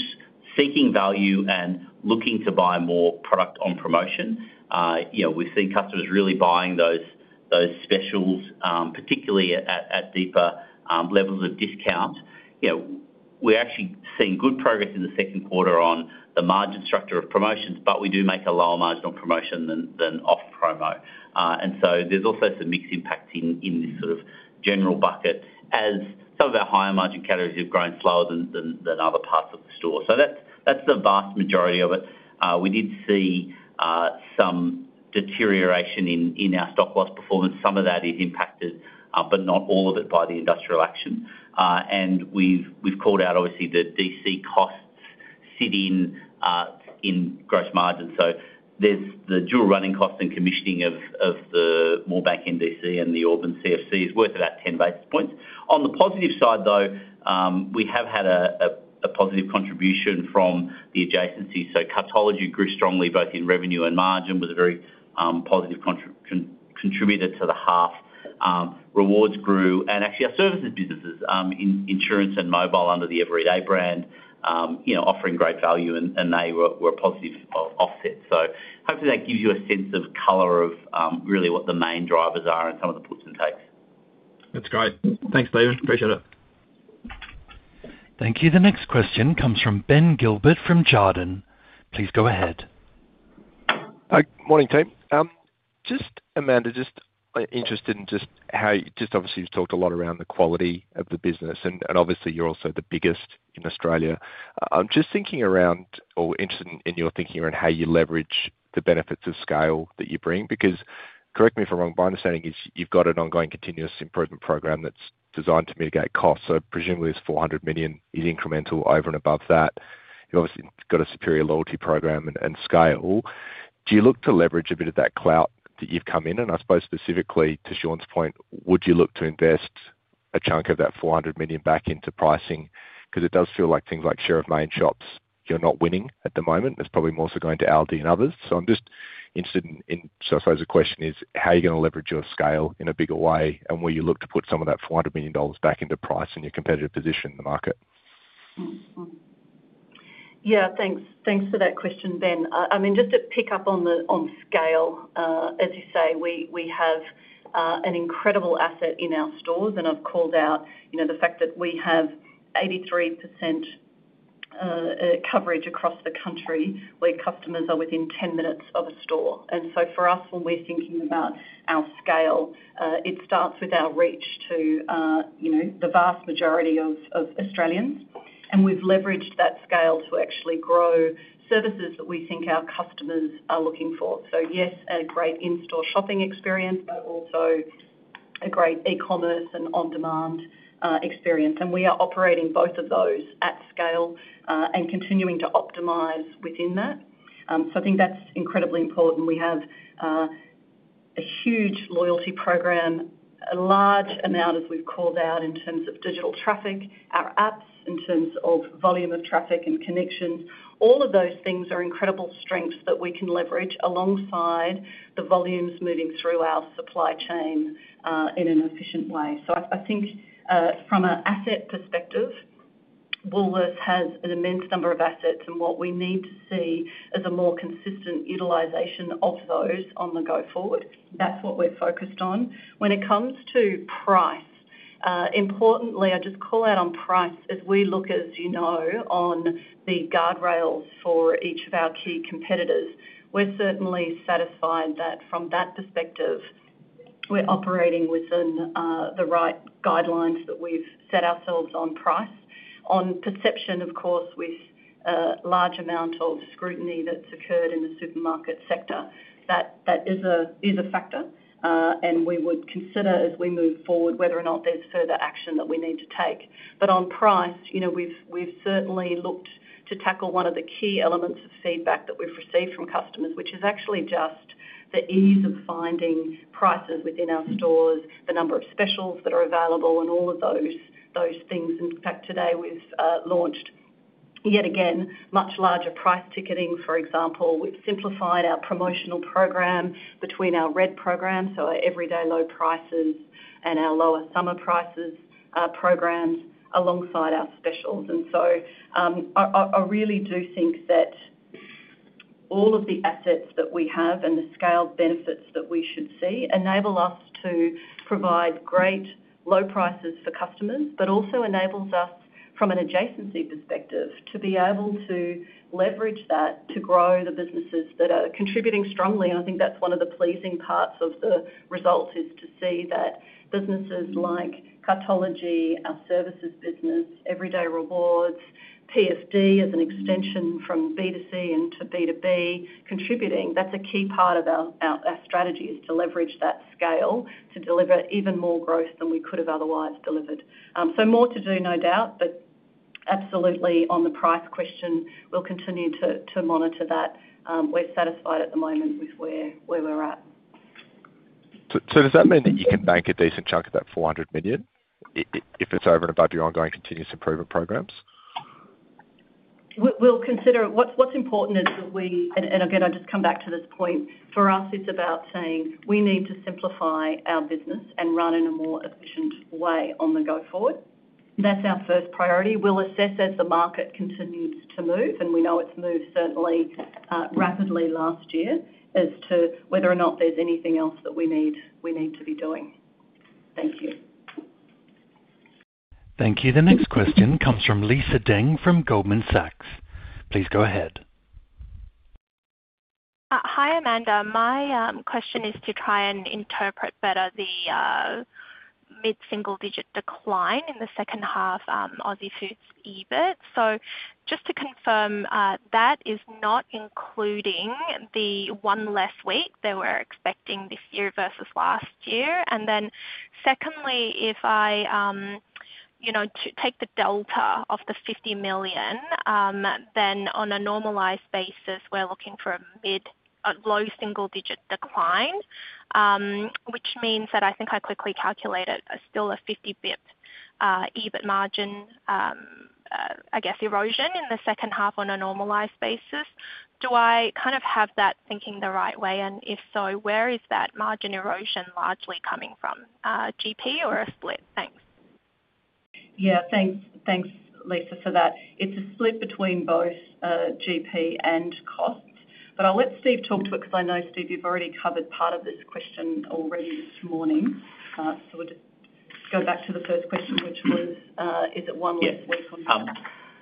seeking value and looking to buy more product on promotion. We've seen customers really buying those specials, particularly at deeper levels of discount. We're actually seeing good progress in the second quarter on the margin structure of promotions, but we do make a lower margin on promotion than off-promo. And so there's also some mixed impact in this sort of general bucket, as some of our higher margin categories have grown slower than other parts of the store. So that's the vast majority of it. We did see some deterioration in our stock loss performance. Some of that is impacted, but not all of it, by the industrial action. And we've called out, obviously, the DC costs sit in gross margin. So the dual running costs and commissioning of the Moorebank NDC and the Auburn CFC is worth about 10 basis points. On the positive side, though, we have had a positive contribution from the adjacencies. So Cartology grew strongly, both in revenue and margin, was a very positive contributor to the half. Rewards grew. And actually, our services businesses, insurance and mobile under the Everyday brand, offering great value, and they were a positive offset. So hopefully, that gives you a sense of color of really what the main drivers are and some of the puts and takes. That's great. Thanks, David. Appreciate it. Thank you. The next question comes from Ben Gilbert from Jarden. Please go ahead. Morning, Tim. Just, Amanda, just interested in just how you just obviously, you've talked a lot around the quality of the business, and obviously, you're also the biggest in Australia. I'm just thinking around or interested in your thinking around how you leverage the benefits of scale that you bring. Because correct me if I'm wrong, my understanding is you've got an ongoing continuous improvement program that's designed to mitigate costs. So presumably, it's 400 million. It's incremental over and above that. You've obviously got a superior loyalty program and scale. Do you look to leverage a bit of that clout that you've come in? And I suppose specifically to Shaun's point, would you look to invest a chunk of that 400 million back into pricing? Because it does feel like things like share of main shops, you're not winning at the moment. It's probably more so going to Aldi and others. I'm just interested in, so I suppose the question is, how are you going to leverage your scale in a bigger way and where you look to put some of that 400 million dollars back into price and your competitive position in the market? Yeah, thanks. Thanks for that question, Ben. I mean, just to pick up on scale, as you say, we have an incredible asset in our stores. And I've called out the fact that we have 83% coverage across the country where customers are within 10 minutes of a store. And so for us, when we're thinking about our scale, it starts with our reach to the vast majority of Australians. And we've leveraged that scale to actually grow services that we think our customers are looking for. So yes, a great in-store shopping experience, but also a great e-commerce and on-demand experience. We are operating both of those at scale and continuing to optimize within that. So I think that's incredibly important. We have a huge loyalty program, a large amount, as we've called out, in terms of digital traffic, our apps, in terms of volume of traffic and connections. All of those things are incredible strengths that we can leverage alongside the volumes moving through our supply chain in an efficient way. So I think from an asset perspective, Woolworths has an immense number of assets, and what we need to see is a more consistent utilization of those on the go forward. That's what we're focused on. When it comes to price, importantly, I just call out on price as we look, as you know, on the guardrails for each of our key competitors. We're certainly satisfied that from that perspective, we're operating within the right guidelines that we've set ourselves on price. On perception, of course, with a large amount of scrutiny that's occurred in the supermarket sector, that is a factor. And we would consider, as we move forward, whether or not there's further action that we need to take. But on price, we've certainly looked to tackle one of the key elements of feedback that we've received from customers, which is actually just the ease of finding prices within our stores, the number of specials that are available, and all of those things. In fact, today, we've launched yet again much larger price ticketing, for example. We've simplified our promotional program between our red program, so our Everyday Low Prices, and our Lower Summer Prices programs alongside our specials. I really do think that all of the assets that we have and the scale benefits that we should see enable us to provide great low prices for customers, but also enables us, from an adjacency perspective, to be able to leverage that to grow the businesses that are contributing strongly. I think that's one of the pleasing parts of the result, is to see that businesses like Cartology, our services business, Everyday Rewards, PFD as an extension from B2C into B2B contributing. That's a key part of our strategy, is to leverage that scale to deliver even more growth than we could have otherwise delivered. More to do, no doubt. But absolutely, on the price question, we'll continue to monitor that. We're satisfied at the moment with where we're at. So does that mean that you can make a decent chunk of that 400 million if it's over and above your ongoing continuous improvement programs? What's important is that we—and again, I'll just come back to this point. For us, it's about saying we need to simplify our business and run in a more efficient way on the go forward. That's our first priority. We'll assess as the market continues to move, and we know it's moved certainly rapidly last year as to whether or not there's anything else that we need to be doing. Thank you. Thank you. The next question comes from Lisa Deng from Goldman Sachs. Please go ahead. Hi, Amanda. My question is to try and interpret better the mid-single-digit decline in the second half Australian Food's EBIT. Just to confirm, that is not including the one less week that we're expecting this year versus last year. And then secondly, if I take the delta of the 50 million, then on a normalized basis, we're looking for a mid-low single-digit decline, which means that I think I quickly calculated still a 50 basis points EBIT margin, I guess, erosion in the second half on a normalized basis. Do I kind of have that thinking the right way? And if so, where is that margin erosion largely coming from? GP or a split? Thanks. Yeah, thanks, Lisa, for that. It's a split between both GP and costs. But I'll let Steve talk to it because I know, Steve, you've already covered part of this question already this morning. We'll just go back to the first question, which was, is it one less week or no?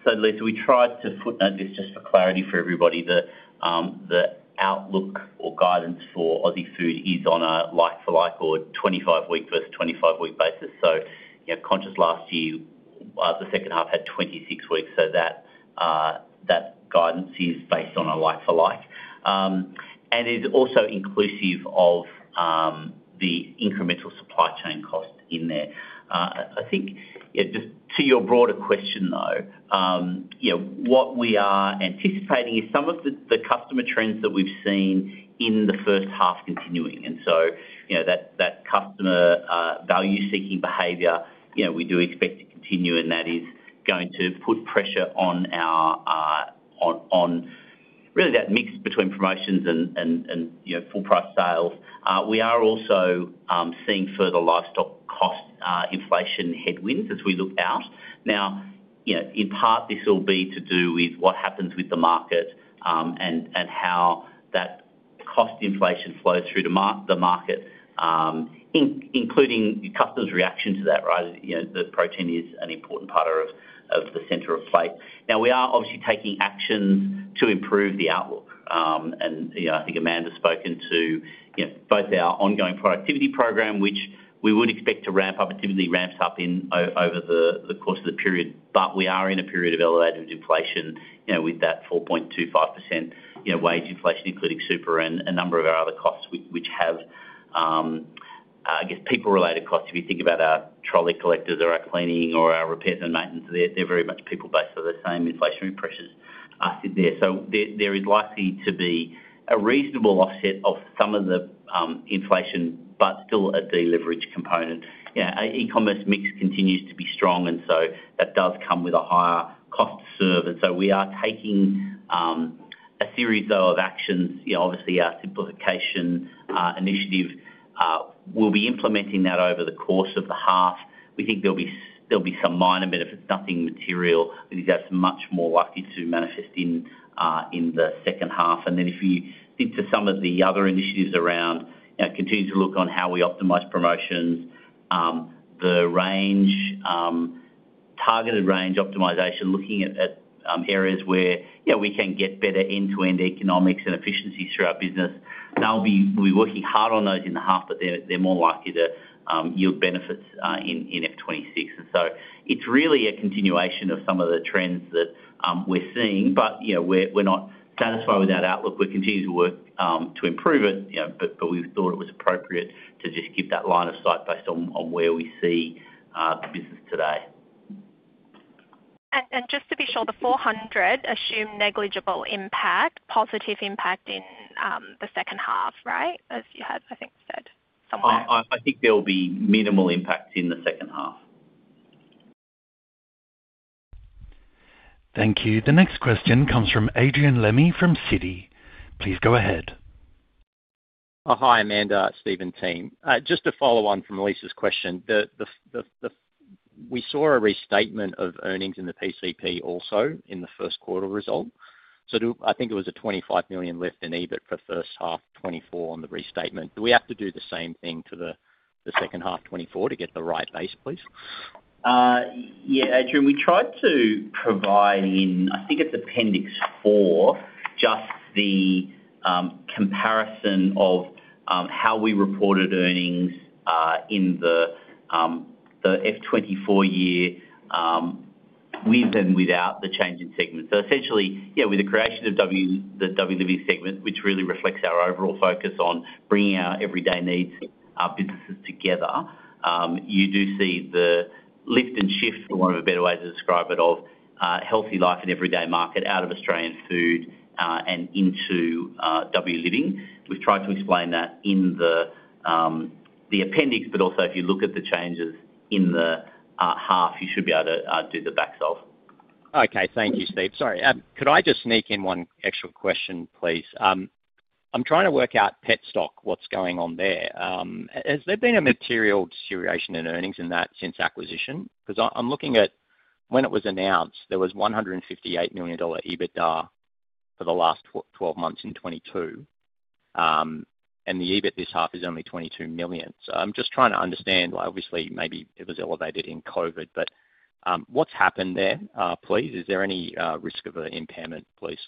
So, Lisa, we tried to footnote this just for clarity for everybody. The outlook or guidance for Australian Food is on a like-for-like or 25-week versus 25-week basis. So conscious last year, the second half had 26 weeks. So that guidance is based on a like-for-like. And it's also inclusive of the incremental supply chain cost in there. I think just to your broader question, though, what we are anticipating is some of the customer trends that we've seen in the first half continuing. And so that customer value-seeking behavior, we do expect to continue, and that is going to put pressure on really that mix between promotions and full-price sales. We are also seeing further livestock cost inflation headwinds as we look out. Now, in part, this will be to do with what happens with the market and how that cost inflation flows through the market, including customers' reaction to that, right? The protein is an important part of the center of the plate. Now, we are obviously taking actions to improve the outlook. And I think Amanda's spoken to both our ongoing productivity program, which we would expect to ramp up, and typically ramps up over the course of the period. But we are in a period of elevated inflation with that 4.25% wage inflation, including super and a number of our other costs, which have, I guess, people-related costs. If you think about our trolley collectors or our cleaning or our repairs and maintenance, they're very much people-based. So the same inflationary pressures are sitting there. So there is likely to be a reasonable offset of some of the inflation, but still a deleverage component. E-commerce mix continues to be strong, and so that does come with a higher cost to serve. And so we are taking a series, though, of actions. Obviously, our simplification initiative will be implementing that over the course of the half. We think there'll be some minor benefits, nothing material. I think that's much more likely to manifest in the second half. And then if you think to some of the other initiatives around, continue to look on how we optimize promotions, the targeted range optimization, looking at areas where we can get better end-to-end economics and efficiencies through our business. We'll be working hard on those in the half, but they're more likely to yield benefits in F26. So it's really a continuation of some of the trends that we're seeing. But we're not satisfied with that outlook. We continue to work to improve it, but we thought it was appropriate to just keep that line of sight based on where we see the business today. And just to be sure, the 400 assume negligible impact, positive impact in the second half, right? As you had, I think, said somewhere. I think there'll be minimal impact in the second half. Thank you. The next question comes from Adrian Lemme from Citi. Please go ahead. Hi, Amanda and team. Just to follow on from Lisa's question, we saw a restatement of earnings in the PCP also in the first quarter result. So I think it was a 25 million lift in EBIT for first half 2024 on the restatement. Do we have to do the same thing to the second half '24 to get the right base, please? Yeah, Adrian, we tried to provide in, I think it's Appendix 4, just the comparison of how we reported earnings in the F24 year with and without the change in segment. So essentially, yeah, with the creation of the W Living segment, which really reflects our overall focus on bringing our everyday needs businesses together, you do see the lift and shift, for want of a better way to describe it, of HealthyLife and Everyday Market out of Australian Food and into W Living. We've tried to explain that in the appendix, but also if you look at the changes in the half, you should be able to do the back out. Okay. Thank you, Steve. Sorry. Could I just sneak in one extra question, please? I'm trying to work out Petstock, what's going on there. Has there been a material deterioration in earnings in that since acquisition? Because I'm looking at when it was announced, there was 158 million dollar EBITDA for the last 12 months in 2022. And the EBIT this half is only 22 million. So I'm just trying to understand. Obviously, maybe it was elevated in COVID. But what's happened there, please? Is there any risk of an impairment, please?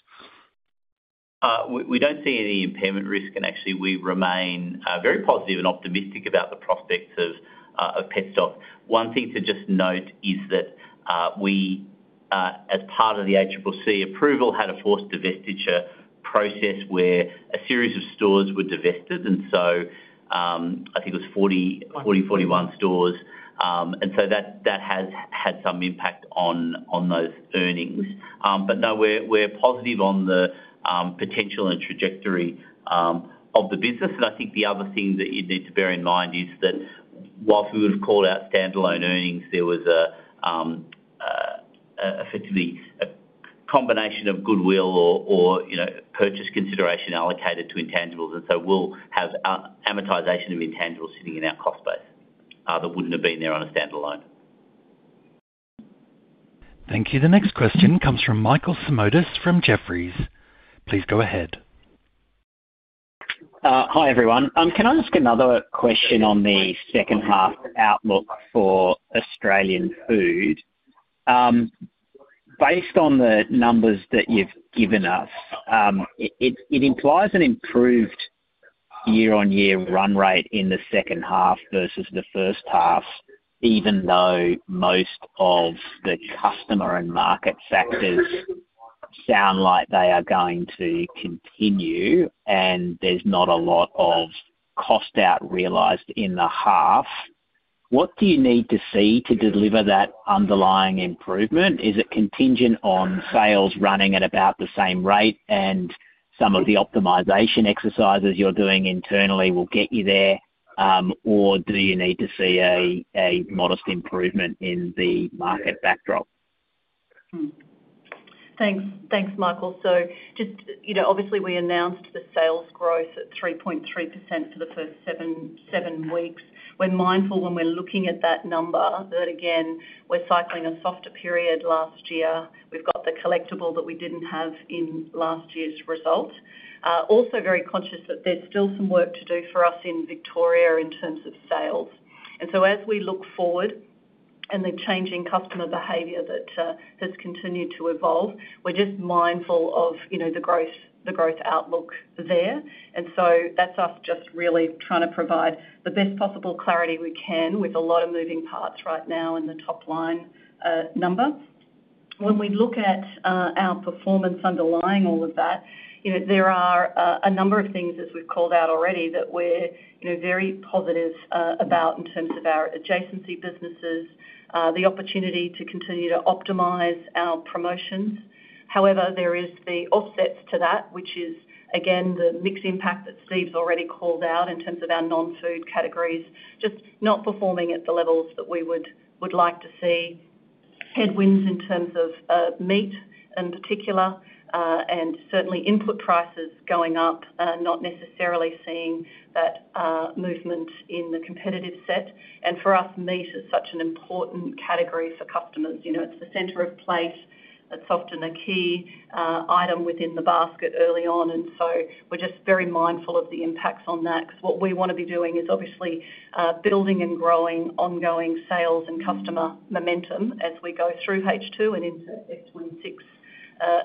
We don't see any impairment risk. And actually, we remain very positive and optimistic about the prospects of Petstock. One thing to just note is that we, as part of the ACCC approval, had a forced divestiture process where a series of stores were divested. And so I think it was 40, 41 stores. And so that has had some impact on those earnings. But no, we're positive on the potential and trajectory of the business. And I think the other thing that you'd need to bear in mind is that while we would have called out standalone earnings, there was effectively a combination of goodwill or purchase consideration allocated to intangibles. And so we'll have amortization of intangibles sitting in our cost base that wouldn't have been there on a standalone. Thank you. The next question comes from Michael Simotas from Jefferies. Please go ahead. Hi, everyone. Can I ask another question on the second half outlook for Australian Food? Based on the numbers that you've given us, it implies an improved year-on-year run rate in the second half versus the first half, even though most of the customer and market factors sound like they are going to continue and there's not a lot of cost out realised in the half. What do you need to see to deliver that underlying improvement? Is it contingent on sales running at about the same rate and some of the optimization exercises you're doing internally will get you there, or do you need to see a modest improvement in the market backdrop? Thanks, Michael. So obviously, we announced the sales growth at 3.3% for the first 7 weeks. We're mindful when we're looking at that number that, again, we're cycling a softer period last year. We've got the collectible that we didn't have in last year's result. Also very conscious that there's still some work to do for us in Victoria in terms of sales. And so as we look forward and the changing customer behaviour that has continued to evolve, we're just mindful of the growth outlook there. And so that's us just really trying to provide the best possible clarity we can with a lot of moving parts right now in the top-line number. When we look at our performance underlying all of that, there are a number of things, as we've called out already, that we're very positive about in terms of our adjacency businesses, the opportunity to continue to optimize our promotions. However, there is the offsets to that, which is, again, the mixed impact that Steve's already called out in terms of our non-food categories, just not performing at the levels that we would like to see. Headwinds in terms of meat in particular, and certainly input prices going up, not necessarily seeing that movement in the competitive set. And for us, meat is such an important category for customers. It's the center of the plate. It's often a key item within the basket early on. And so we're just very mindful of the impacts on that because what we want to be doing is obviously building and growing ongoing sales and customer momentum as we go through H2 and into F26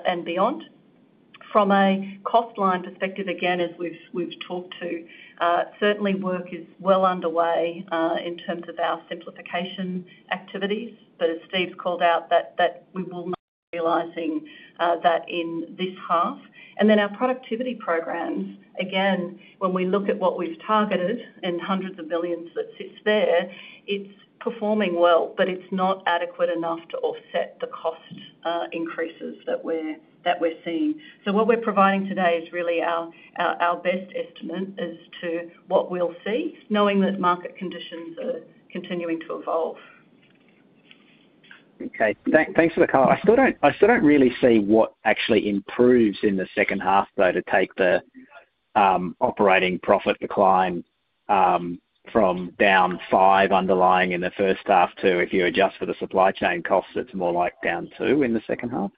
and beyond. From a cost line perspective, again, as we've talked to, certainly work is well underway in terms of our simplification activities. But as Steve's called out, that we will not be realizing that in this half. And then our productivity programs, again, when we look at what we've targeted and hundreds of billions that sits there, it's performing well, but it's not adequate enough to offset the cost increases that we're seeing. So what we're providing today is really our best estimate as to what we'll see, knowing that market conditions are continuing to evolve. Okay. Thanks for the call. I still don't really see what actually improves in the second half, though, to take the operating profit decline from down five underlying in the first half to, if you adjust for the supply chain costs, it's more like down two in the second half.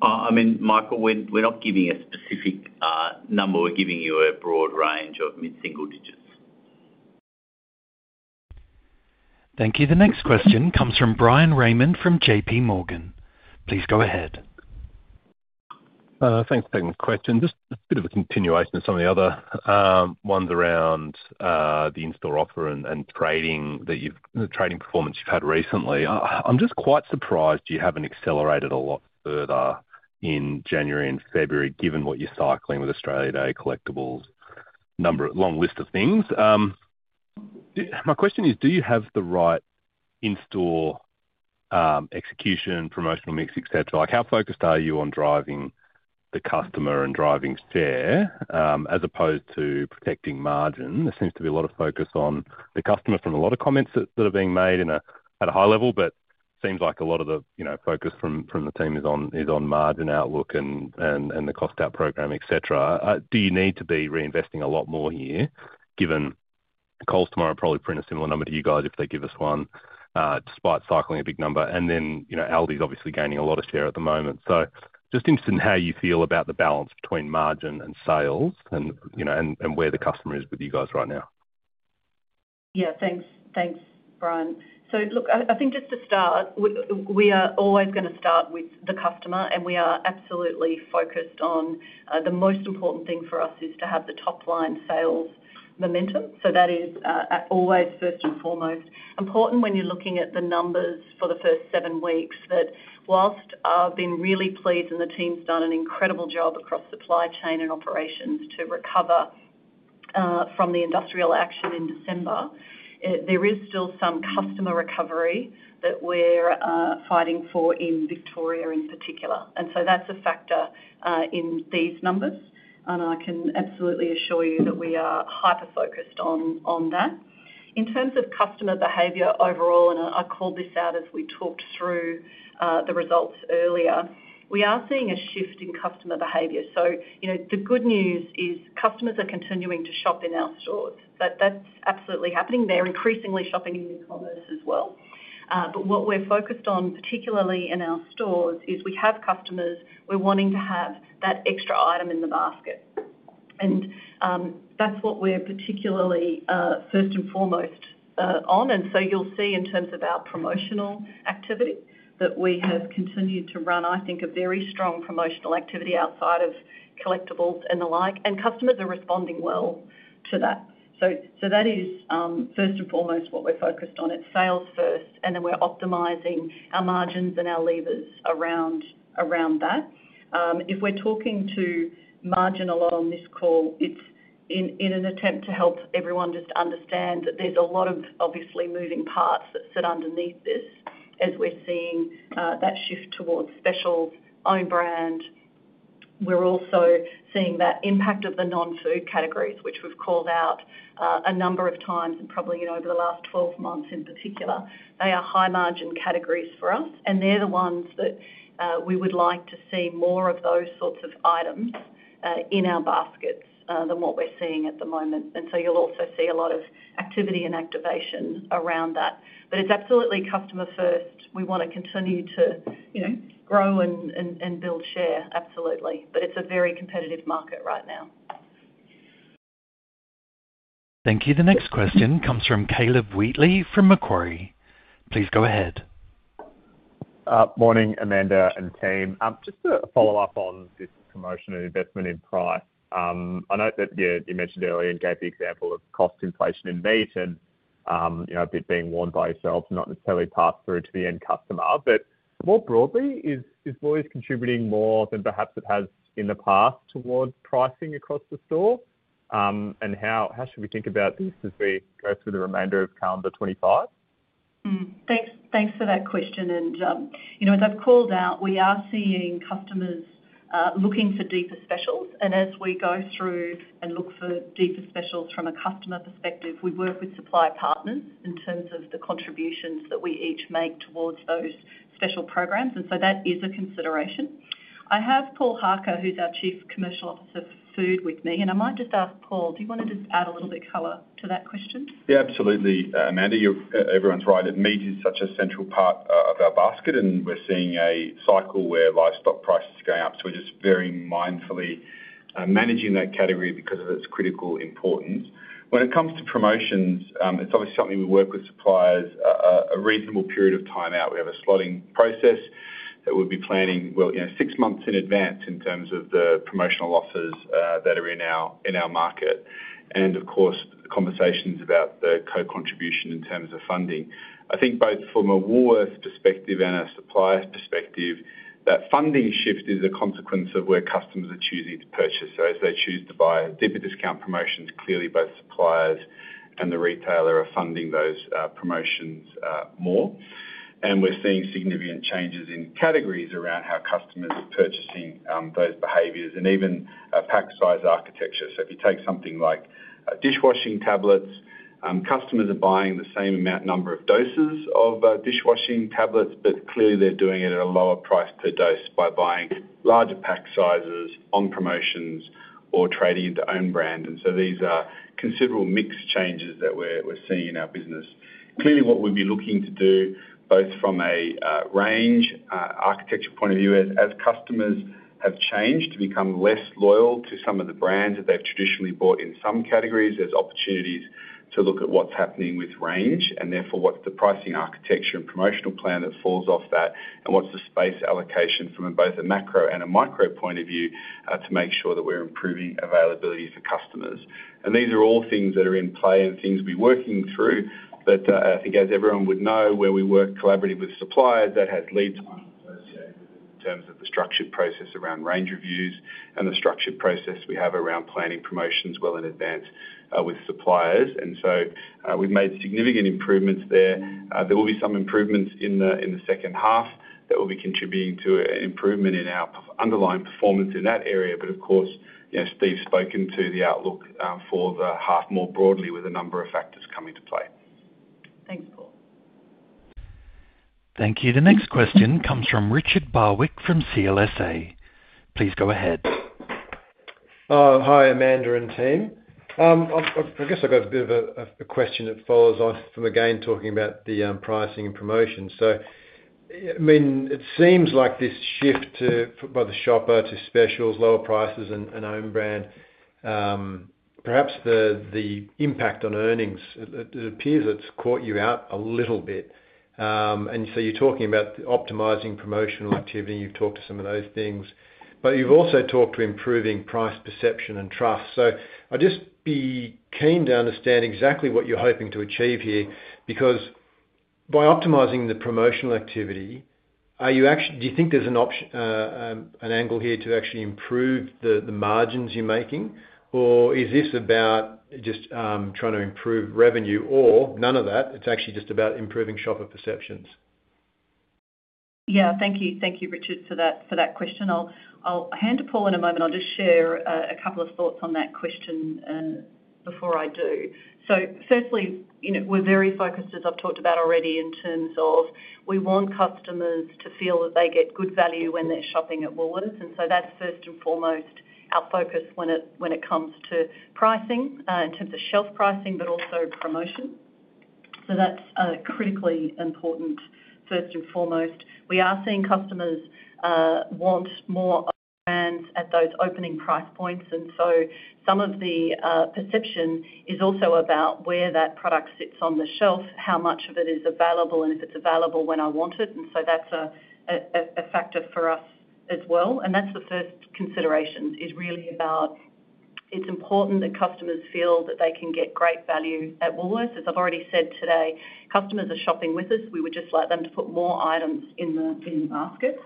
I mean, Michael, we're not giving a specific number. We're giving you a broad range of mid-single digits. Thank you. The next question comes from Bryan Raymond from J.P. Morgan. Please go ahead. Thanks for taking the question. Just a bit of a continuation of some of the other ones around the in-store offer and trading performance you've had recently. I'm just quite surprised you haven't accelerated a lot further in January and February, given what you're cycling with Australia Day collectibles, long list of things. My question is, do you have the right in-store execution, promotional mix, etc.? How focused are you on driving the customer and driving share as opposed to protecting margin? There seems to be a lot of focus on the customer from a lot of comments that are being made at a high level, but it seems like a lot of the focus from the team is on margin outlook and the cost out program, etc. Do you need to be reinvesting a lot more here, given Coles tomorrow probably print a similar number to you guys if they give us one, despite cycling a big number? And then Aldi's obviously gaining a lot of share at the moment. So just interested in how you feel about the balance between margin and sales and where the customer is with you guys right now. Yeah. Thanks, Bryan. So look, I think just to start, we are always going to start with the customer, and we are absolutely focused on the most important thing for us is to have the top-line sales momentum. So that is always first and foremost important when you're looking at the numbers for the first seven weeks, that whilst I've been really pleased and the team's done an incredible job across supply chain and operations to recover from the industrial action in December, there is still some customer recovery that we're fighting for in Victoria in particular. And so that's a factor in these numbers. And I can absolutely assure you that we are hyper-focused on that. In terms of customer behavior overall, and I called this out as we talked through the results earlier, we are seeing a shift in customer behavior. So the good news is customers are continuing to shop in our stores. That's absolutely happening. They're increasingly shopping in e-commerce as well. But what we're focused on, particularly in our stores, is we have customers who are wanting to have that extra item in the basket. And that's what we're particularly first and foremost on. And so you'll see in terms of our promotional activity that we have continued to run, I think, a very strong promotional activity outside of collectibles and the like. And customers are responding well to that. So that is first and foremost what we're focused on. It's sales first, and then we're optimizing our margins and our levers around that. If we're talking about margin a lot on this call, it's in an attempt to help everyone just understand that there's a lot of obviously moving parts that sit underneath this as we're seeing that shift towards specials, own brand. We're also seeing that impact of the non-food categories, which we've called out a number of times and probably over the last 12 months in particular. They are high-margin categories for us, and they're the ones that we would like to see more of those sorts of items in our baskets than what we're seeing at the moment. And so you'll also see a lot of activity and activation around that. But it's absolutely customer first. We want to continue to grow and build share, absolutely. But it's a very competitive market right now. Thank you. The next question comes from Caleb Wheatley from Macquarie. Please go ahead. Morning, Amanda and team. Just to follow up on this promotion and investment in price. I know that you mentioned earlier and gave the example of cost inflation in meat and a bit being borne by yourselves, not necessarily passed through to the end customer. But more broadly, is Woolworths contributing more than perhaps it has in the past towards pricing across the store? And how should we think about this as we go through the remainder of calendar '25? Thanks for that question, and as I've called out, we are seeing customers looking for deeper specials. And as we go through and look for deeper specials from a customer perspective, we work with supply partners in terms of the contributions that we each make towards those special programs. And so that is a consideration. I have Paul Harker, who's our Chief Commercial Officer for Food with me. I might just ask Paul, do you want to just add a little bit of color to that question? Yeah, absolutely, Amanda. Everyone's right. Meat is such a central part of our basket, and we're seeing a cycle where livestock prices are going up. So we're just very mindfully managing that category because of its critical importance. When it comes to promotions, it's obviously something we work with suppliers a reasonable period of time out. We have a slotting process that we'll be planning, well, six months in advance in terms of the promotional offers that are in our market. And of course, conversations about the co-contribution in terms of funding. I think both from a Woolworths perspective and a supplier perspective, that funding shift is a consequence of where customers are choosing to purchase. So as they choose to buy deeper discount promotions, clearly both suppliers and the retailer are funding those promotions more. And we're seeing significant changes in categories around how customers are purchasing those behaviors and even pack-size architecture. So if you take something like dishwashing tablets, customers are buying the same amount number of doses of dishwashing tablets, but clearly they're doing it at a lower price per dose by buying larger pack sizes on promotions or trading into own brand. And so these are considerable mixed changes that we're seeing in our business. Clearly, what we'd be looking to do, both from a range architecture point of view, as customers have changed to become less loyal to some of the brands that they've traditionally bought in some categories, there's opportunities to look at what's happening with range, and therefore what's the pricing architecture and promotional plan that falls off that, and what's the space allocation from both a macro and a micro point of view to make sure that we're improving availability for customers. And these are all things that are in play and things we're working through. But I think as everyone would know, where we work collaboratively with suppliers, that has lead time associated with it in terms of the structured process around range reviews and the structured process we have around planning promotions well in advance with suppliers. And so we've made significant improvements there. There will be some improvements in the second half that will be contributing to an improvement in our underlying performance in that area. But of course, Steve's spoken to the outlook for the half more broadly with a number of factors coming to play. Thanks, Paul. Thank you. The next question comes from Richard Barwick from CLSA. Please go ahead. Hi, Amanda and team. I guess I've got a bit of a question that follows on from again talking about the pricing and promotions. So I mean, it seems like this shift by the shopper to specials, lower prices, and own brand, perhaps the impact on earnings, it appears it's caught you out a little bit. And so you're talking about optimizing promotional activity. You've talked to some of those things. But you've also talked to improving price perception and trust. I'd just be keen to understand exactly what you're hoping to achieve here because by optimizing the promotional activity, do you think there's an angle here to actually improve the margins you're making, or is this about just trying to improve revenue or none of that? It's actually just about improving shopper perceptions. Yeah. Thank you. Thank you, Richard, for that question. I'll hand to Paul in a moment. I'll just share a couple of thoughts on that question before I do. Firstly, we're very focused, as I've talked about already, in terms of we want customers to feel that they get good value when they're shopping at Woolworths. And so that's first and foremost our focus when it comes to pricing in terms of shelf pricing, but also promotion. So that's critically important first and foremost. We are seeing customers want more brands at those opening price points. And so some of the perception is also about where that product sits on the shelf, how much of it is available, and if it's available when I want it. And so that's a factor for us as well. And that's the first consideration is really about it's important that customers feel that they can get great value at Woolworths. As I've already said today, customers are shopping with us. We would just like them to put more items in the basket.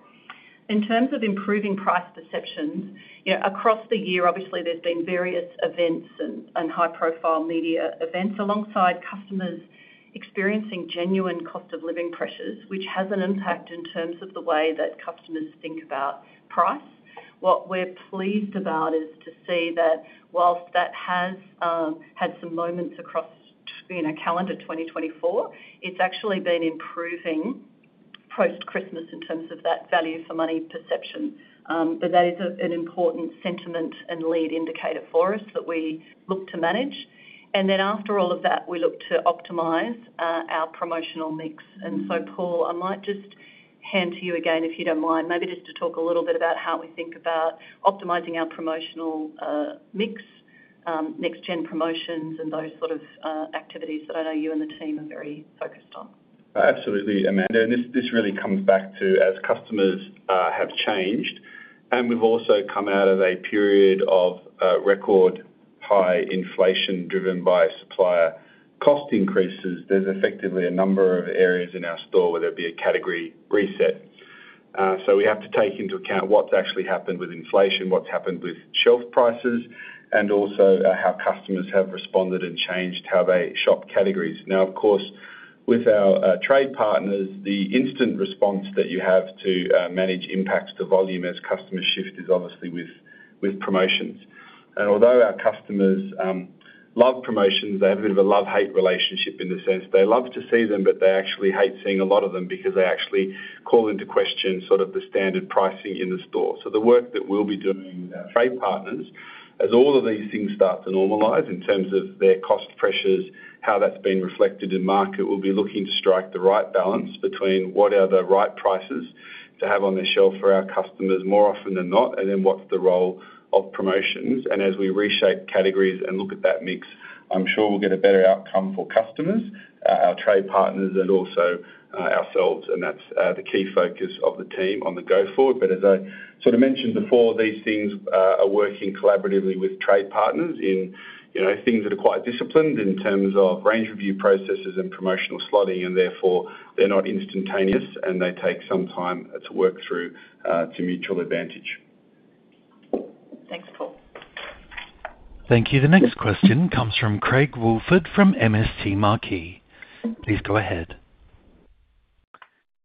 In terms of improving price perceptions, across the year, obviously, there's been various events and high-profile media events alongside customers experiencing genuine cost of living pressures, which has an impact in terms of the way that customers think about price. What we're pleased about is to see that whilst that has had some moments across calendar 2024, it's actually been improving post-Christmas in terms of that value-for-money perception. But that is an important sentiment and lead indicator for us that we look to manage. And then after all of that, we look to optimize our promotional mix. And so Paul, I might just hand to you again, if you don't mind, maybe just to talk a little bit about how we think about optimizing our promotional mix, next-gen promotions, and those sort of activities that I know you and the team are very focused on. Absolutely, Amanda. And this really comes back to as customers have changed and we've also come out of a period of record high inflation driven by supplier cost increases, there's effectively a number of areas in our store, whether it be a category reset. So we have to take into account what's actually happened with inflation, what's happened with shelf prices, and also how customers have responded and changed how they shop categories. Now, of course, with our trade partners, the instant response that you have to manage impacts the volume as customers shift is obviously with promotions. And although our customers love promotions, they have a bit of a love-hate relationship in the sense they love to see them, but they actually hate seeing a lot of them because they actually call into question sort of the standard pricing in the store. So the work that we'll be doing with our trade partners, as all of these things start to normalize in terms of their cost pressures, how that's been reflected in market, we'll be looking to strike the right balance between what are the right prices to have on the shelf for our customers more often than not, and then what's the role of promotions. And as we reshape categories and look at that mix, I'm sure we'll get a better outcome for customers, our trade partners, and also ourselves. And that's the key focus of the team going forward. But as I sort of mentioned before, these things are working collaboratively with trade partners in things that are quite disciplined in terms of range review processes and promotional slotting, and therefore they're not instantaneous and they take some time to work through to mutual advantage. Thanks, Paul. Thank you. The next question comes from Craig Woolford from MST Marquee. Please go ahead.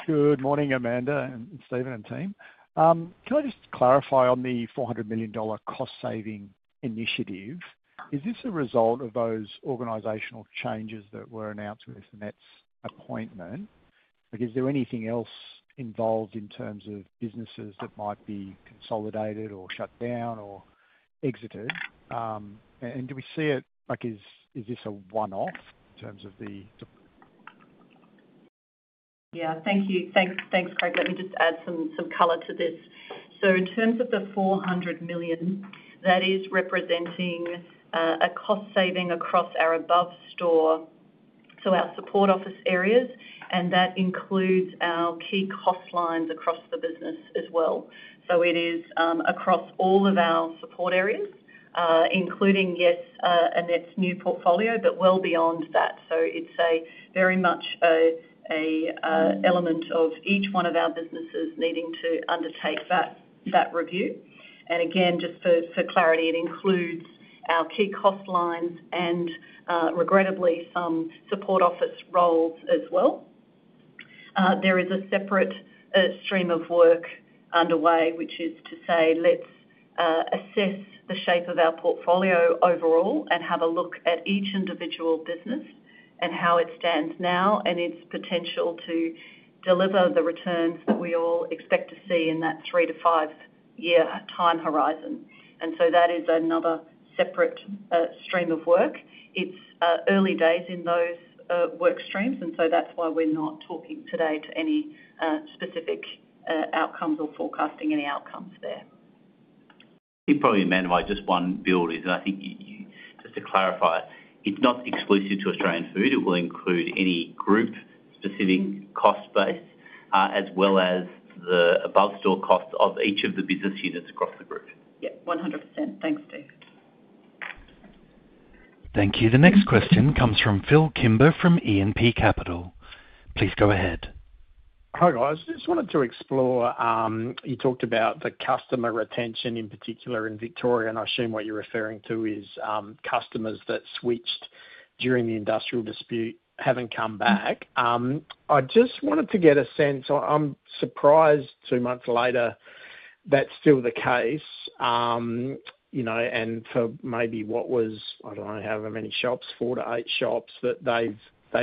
Good morning, Amanda and Stephen and team. Can I just clarify on the 400 million dollar cost-saving initiative? Is this a result of those organizational changes that were announced with the next appointment? Is there anything else involved in terms of businesses that might be consolidated or shut down or exited? And do we see it like, is this a one-off in terms of the? Yeah. Thank you. Thanks, Craig. Let me just add some color to this. So in terms of the 400 million, that is representing a cost saving across our above-store, so our support office areas, and that includes our key cost lines across the business as well. So it is across all of our support areas, including, yes, a next new portfolio, but well beyond that. So it's very much an element of each one of our businesses needing to undertake that review. And again, just for clarity, it includes our key cost lines and regrettably some support office roles as well. There is a separate stream of work underway, which is to say let's assess the shape of our portfolio overall and have a look at each individual business and how it stands now and its potential to deliver the returns that we all expect to see in that three to five-year time horizon. And so that is another separate stream of work. It's early days in those work streams, and so that's why we're not talking today to any specific outcomes or forecasting any outcomes there. Thank you, Paul and Amanda, my just one bit is I think just to clarify, it's not exclusive to Australian Food. It will include any group-specific cost base as well as the above store costs of each of the business units across the group. Yeah, 100%. Thanks, Steve. Thank you. The next question comes from Phil Kimber from E&P Capital. Please go ahead. Hi, guys. Just wanted to explore you talked about the customer retention in particular in Victoria, and I assume what you're referring to is customers that switched during the industrial dispute haven't come back. I just wanted to get a sense. I'm surprised two months later that's still the case. And for maybe what was, I don't know, however many shops, four to eight shops that they've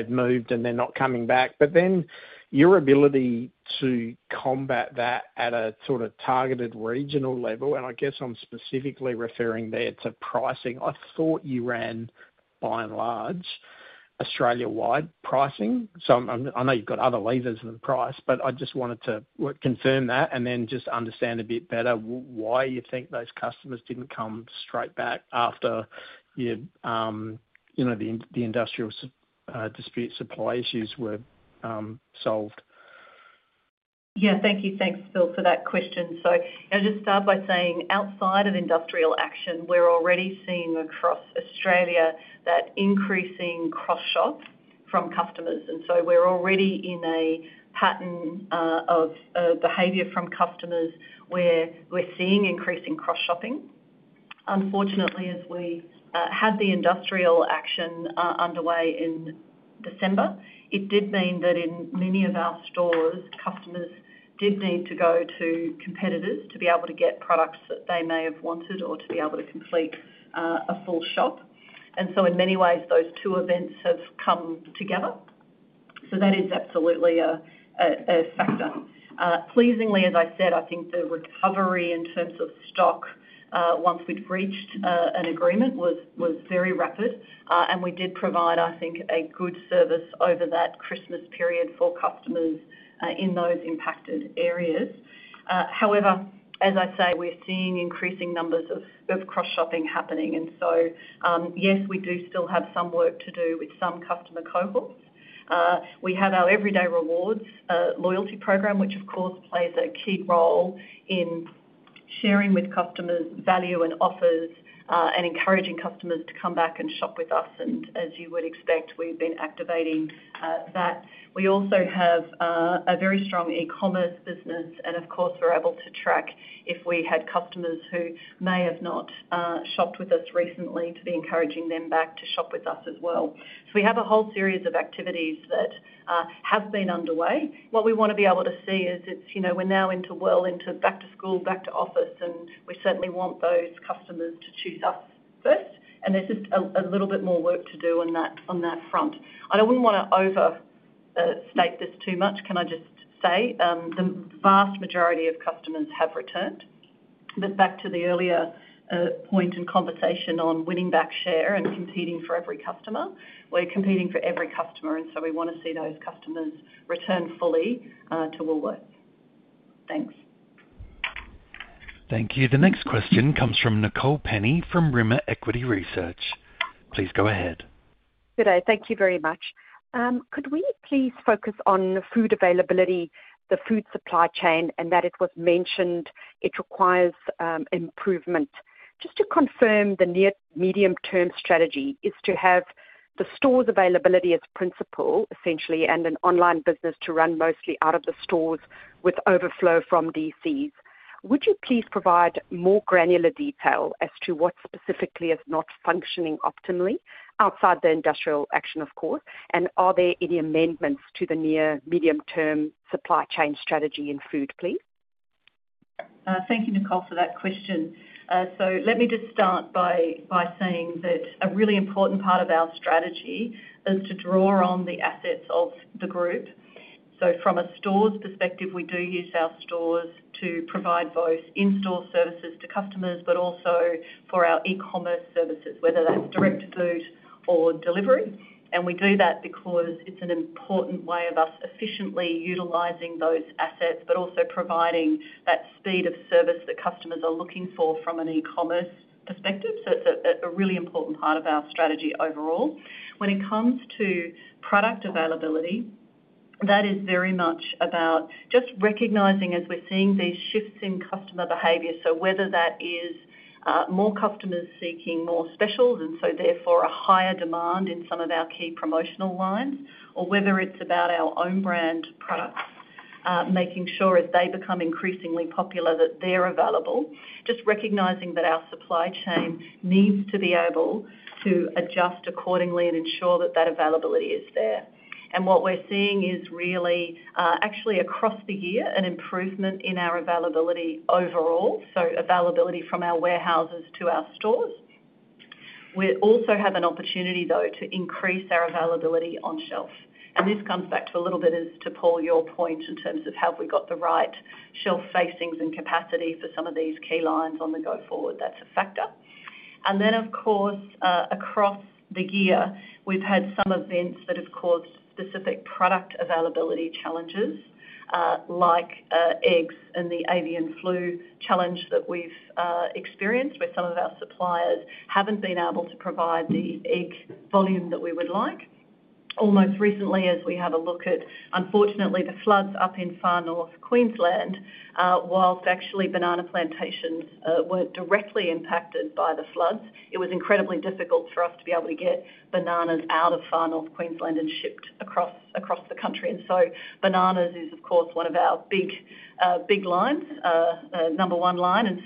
moved and they're not coming back. But then your ability to combat that at a sort of targeted regional level, and I guess I'm specifically referring there to pricing. I thought you ran by and large Australia-wide pricing. So I know you've got other levers than price, but I just wanted to confirm that and then just understand a bit better why you think those customers didn't come straight back after the industrial dispute supply issues were solved. Yeah. Thank you. Thanks, Phil, for that question. So I'll just start by saying outside of industrial action, we're already seeing across Australia that increasing cross-shopping from customers. And so we're already in a pattern of behavior from customers where we're seeing increasing cross-shopping. Unfortunately, as we had the industrial action underway in December, it did mean that in many of our stores, customers did need to go to competitors to be able to get products that they may have wanted or to be able to complete a full shop. And so in many ways, those two events have come together. So that is absolutely a factor. Pleasingly, as I said, I think the recovery in terms of stock once we'd reached an agreement was very rapid. And we did provide, I think, a good service over that Christmas period for customers in those impacted areas. However, as I say, we're seeing increasing numbers of cross-shopping happening. And so yes, we do still have some work to do with some customer cohorts. We have our Everyday Rewards loyalty program, which of course plays a key role in sharing with customers value and offers and encouraging customers to come back and shop with us. And as you would expect, we've been activating that. We also have a very strong e-commerce business. And of course, we're able to track if we had customers who may have not shopped with us recently to be encouraging them back to shop with us as well. So we have a whole series of activities that have been underway. What we want to be able to see is we're now well into back to school, back to office, and we certainly want those customers to choose us first. And there's just a little bit more work to do on that front. I don't want to overstate this too much. Can I just say the vast majority of customers have returned? But back to the earlier point in conversation on winning back share and competing for every customer, we're competing for every customer. And so we want to see those customers return fully to Woolworths. Thanks. Thank you. The next question comes from Nicole Penny from Rimmer Equity Research. Please go ahead. Good day. Thank you very much. Could we please focus on food availability, the food supply chain, and that it was mentioned it requires improvement? Just to confirm, the near-medium-term strategy is to have the stores' availability as principal, essentially, and an online business to run mostly out of the stores with overflow from DCs. Would you please provide more granular detail as to what specifically is not functioning optimally outside the industrial action, of course? And are there any amendments to the near-medium-term supply chain strategy in food, please? Thank you, Nicole, for that question. So let me just start by saying that a really important part of our strategy is to draw on the assets of the group. So from a stores perspective, we do use our stores to provide both in-store services to customers, but also for our e-commerce services, whether that's Direct to Boot or delivery. We do that because it's an important way of us efficiently utilizing those assets, but also providing that speed of service that customers are looking for from an e-commerce perspective. It's a really important part of our strategy overall. When it comes to product availability, that is very much about just recognizing as we're seeing these shifts in customer behavior. Whether that is more customers seeking more specials and so therefore a higher demand in some of our key promotional lines, or whether it's about our own brand products, making sure as they become increasingly popular that they're available, just recognizing that our supply chain needs to be able to adjust accordingly and ensure that that availability is there. What we're seeing is really actually across the year an improvement in our availability overall, so availability from our warehouses to our stores. We also have an opportunity, though, to increase our availability on shelf. And this comes back to a little bit as to Paul, your point in terms of have we got the right shelf facings and capacity for some of these key lines going forward? That's a factor. And then, of course, across the year, we've had some events that have caused specific product availability challenges like eggs and the avian flu challenge that we've experienced where some of our suppliers haven't been able to provide the egg volume that we would like. More recently, as we have a look at, unfortunately, the floods up in Far North Queensland, while actually banana plantations were directly impacted by the floods, it was incredibly difficult for us to be able to get bananas out of Far North Queensland and shipped across the country. Bananas is, of course, one of our big lines, number one line.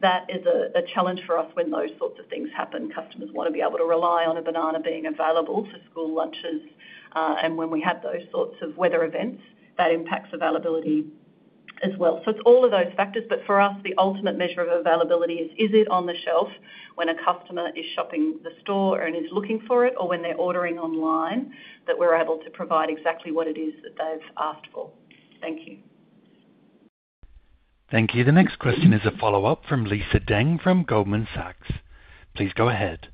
That is a challenge for us when those sorts of things happen. Customers want to be able to rely on a banana being available for school lunches. When we have those sorts of weather events, that impacts availability as well. It's all of those factors. For us, the ultimate measure of availability is, is it on the shelf when a customer is shopping the store and is looking for it, or when they're ordering online that we're able to provide exactly what it is that they've asked for? Thank you. Thank you. The next question is a follow-up from Lisa Deng from Goldman Sachs. Please go ahead.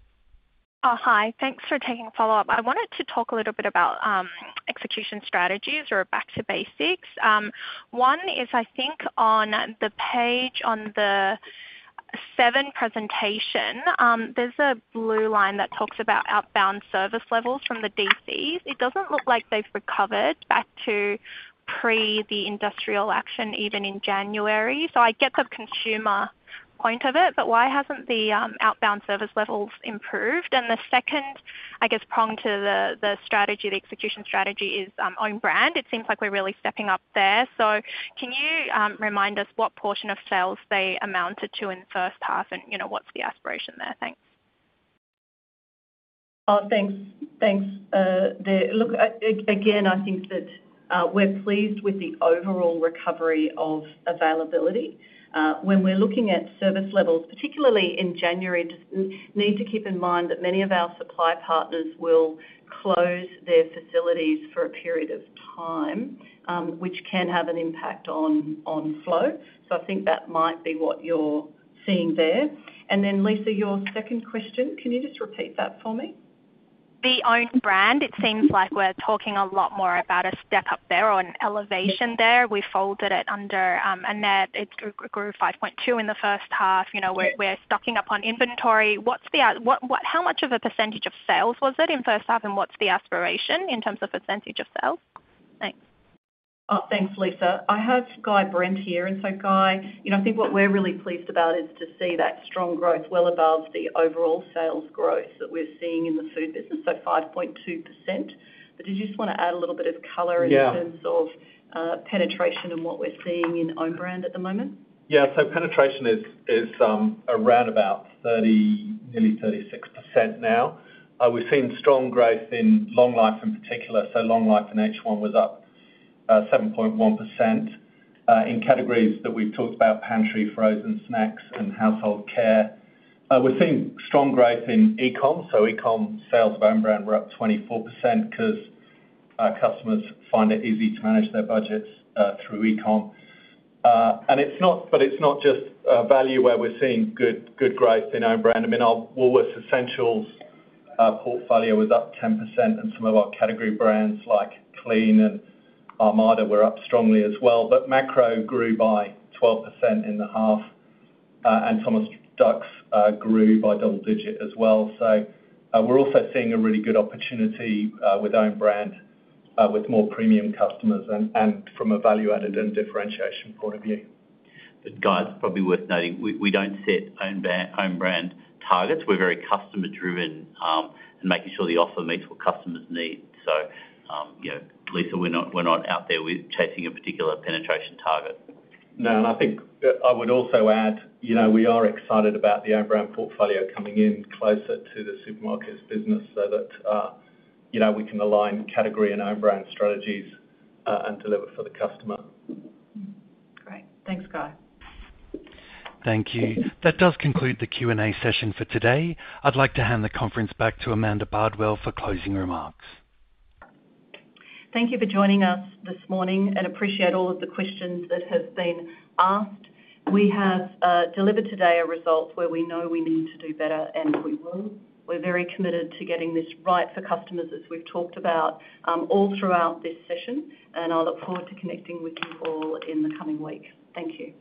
Hi. Thanks for taking a follow-up. I wanted to talk a little bit about execution strategies or back to basics. One is, I think, on the page on the seven presentation, there's a blue line that talks about outbound service levels from the DCs. It doesn't look like they've recovered back to pre the industrial action even in January. So I get the consumer point of it, but why hasn't the outbound service levels improved? And the second, I guess, prong to the strategy, the execution strategy is own brand. It seems like we're really stepping up there. So can you remind us what portion of sales they amounted to in the first half and what's the aspiration there? Thanks. Oh, thanks. Thanks, dear. Look, again, I think that we're pleased with the overall recovery of availability. When we're looking at service levels, particularly in January, just need to keep in mind that many of our supply partners will close their facilities for a period of time, which can have an impact on flow. So I think that might be what you're seeing there. And then, Lisa, your second question, can you just repeat that for me? The own brand, it seems like we're talking a lot more about a step up there or an elevation there. We folded it under and it grew 5.2% in the first half. We're stocking up on inventory. How much of a percentage of sales was it in first half, and what's the aspiration in terms of percentage of sales? Thanks. Thanks, Lisa. I have Guy Brent here. Guy, I think what we're really pleased about is to see that strong growth well above the overall sales growth that we're seeing in the food business, so 5.2%. Did you just want to add a little bit of color in terms of penetration and what we're seeing in own brand at the moment? Yeah. Penetration is around about nearly 36% now. We've seen strong growth in long life in particular. Long life in H1 was up 7.1% in categories that we've talked about: pantry, frozen snacks, and household care. We're seeing strong growth in e-comm. E-comm sales of own brand were up 24% because customers find it easy to manage their budgets through e-comm. It's not just value where we're seeing good growth in own brand. I mean, Woolworths Essentials portfolio was up 10%, and some of our category brands like Clean and Armada were up strongly as well. But Macro grew by 12% in the half, and Thomas Dux grew by double digit as well. So we're also seeing a really good opportunity with own brand with more premium customers and from a value-added and differentiation point of view. Guy, it's probably worth noting we don't set own brand targets. We're very customer-driven in making sure the offer meets what customers need. So, Lisa, we're not out there chasing a particular penetration target. No, and I think I would also add we are excited about the own brand portfolio coming in closer to the supermarkets business so that we can align category and own brand strategies and deliver for the customer. Great. Thanks, Guy. Thank you. That does conclude the Q&A session for today. I'd like to hand the conference back to Amanda Bardwell for closing remarks. Thank you for joining us this morning and appreciate all of the questions that have been asked. We have delivered today a result where we know we need to do better, and we will. We're very committed to getting this right for customers, as we've talked about all throughout this session, and I look forward to connecting with you all in the coming week. Thank you.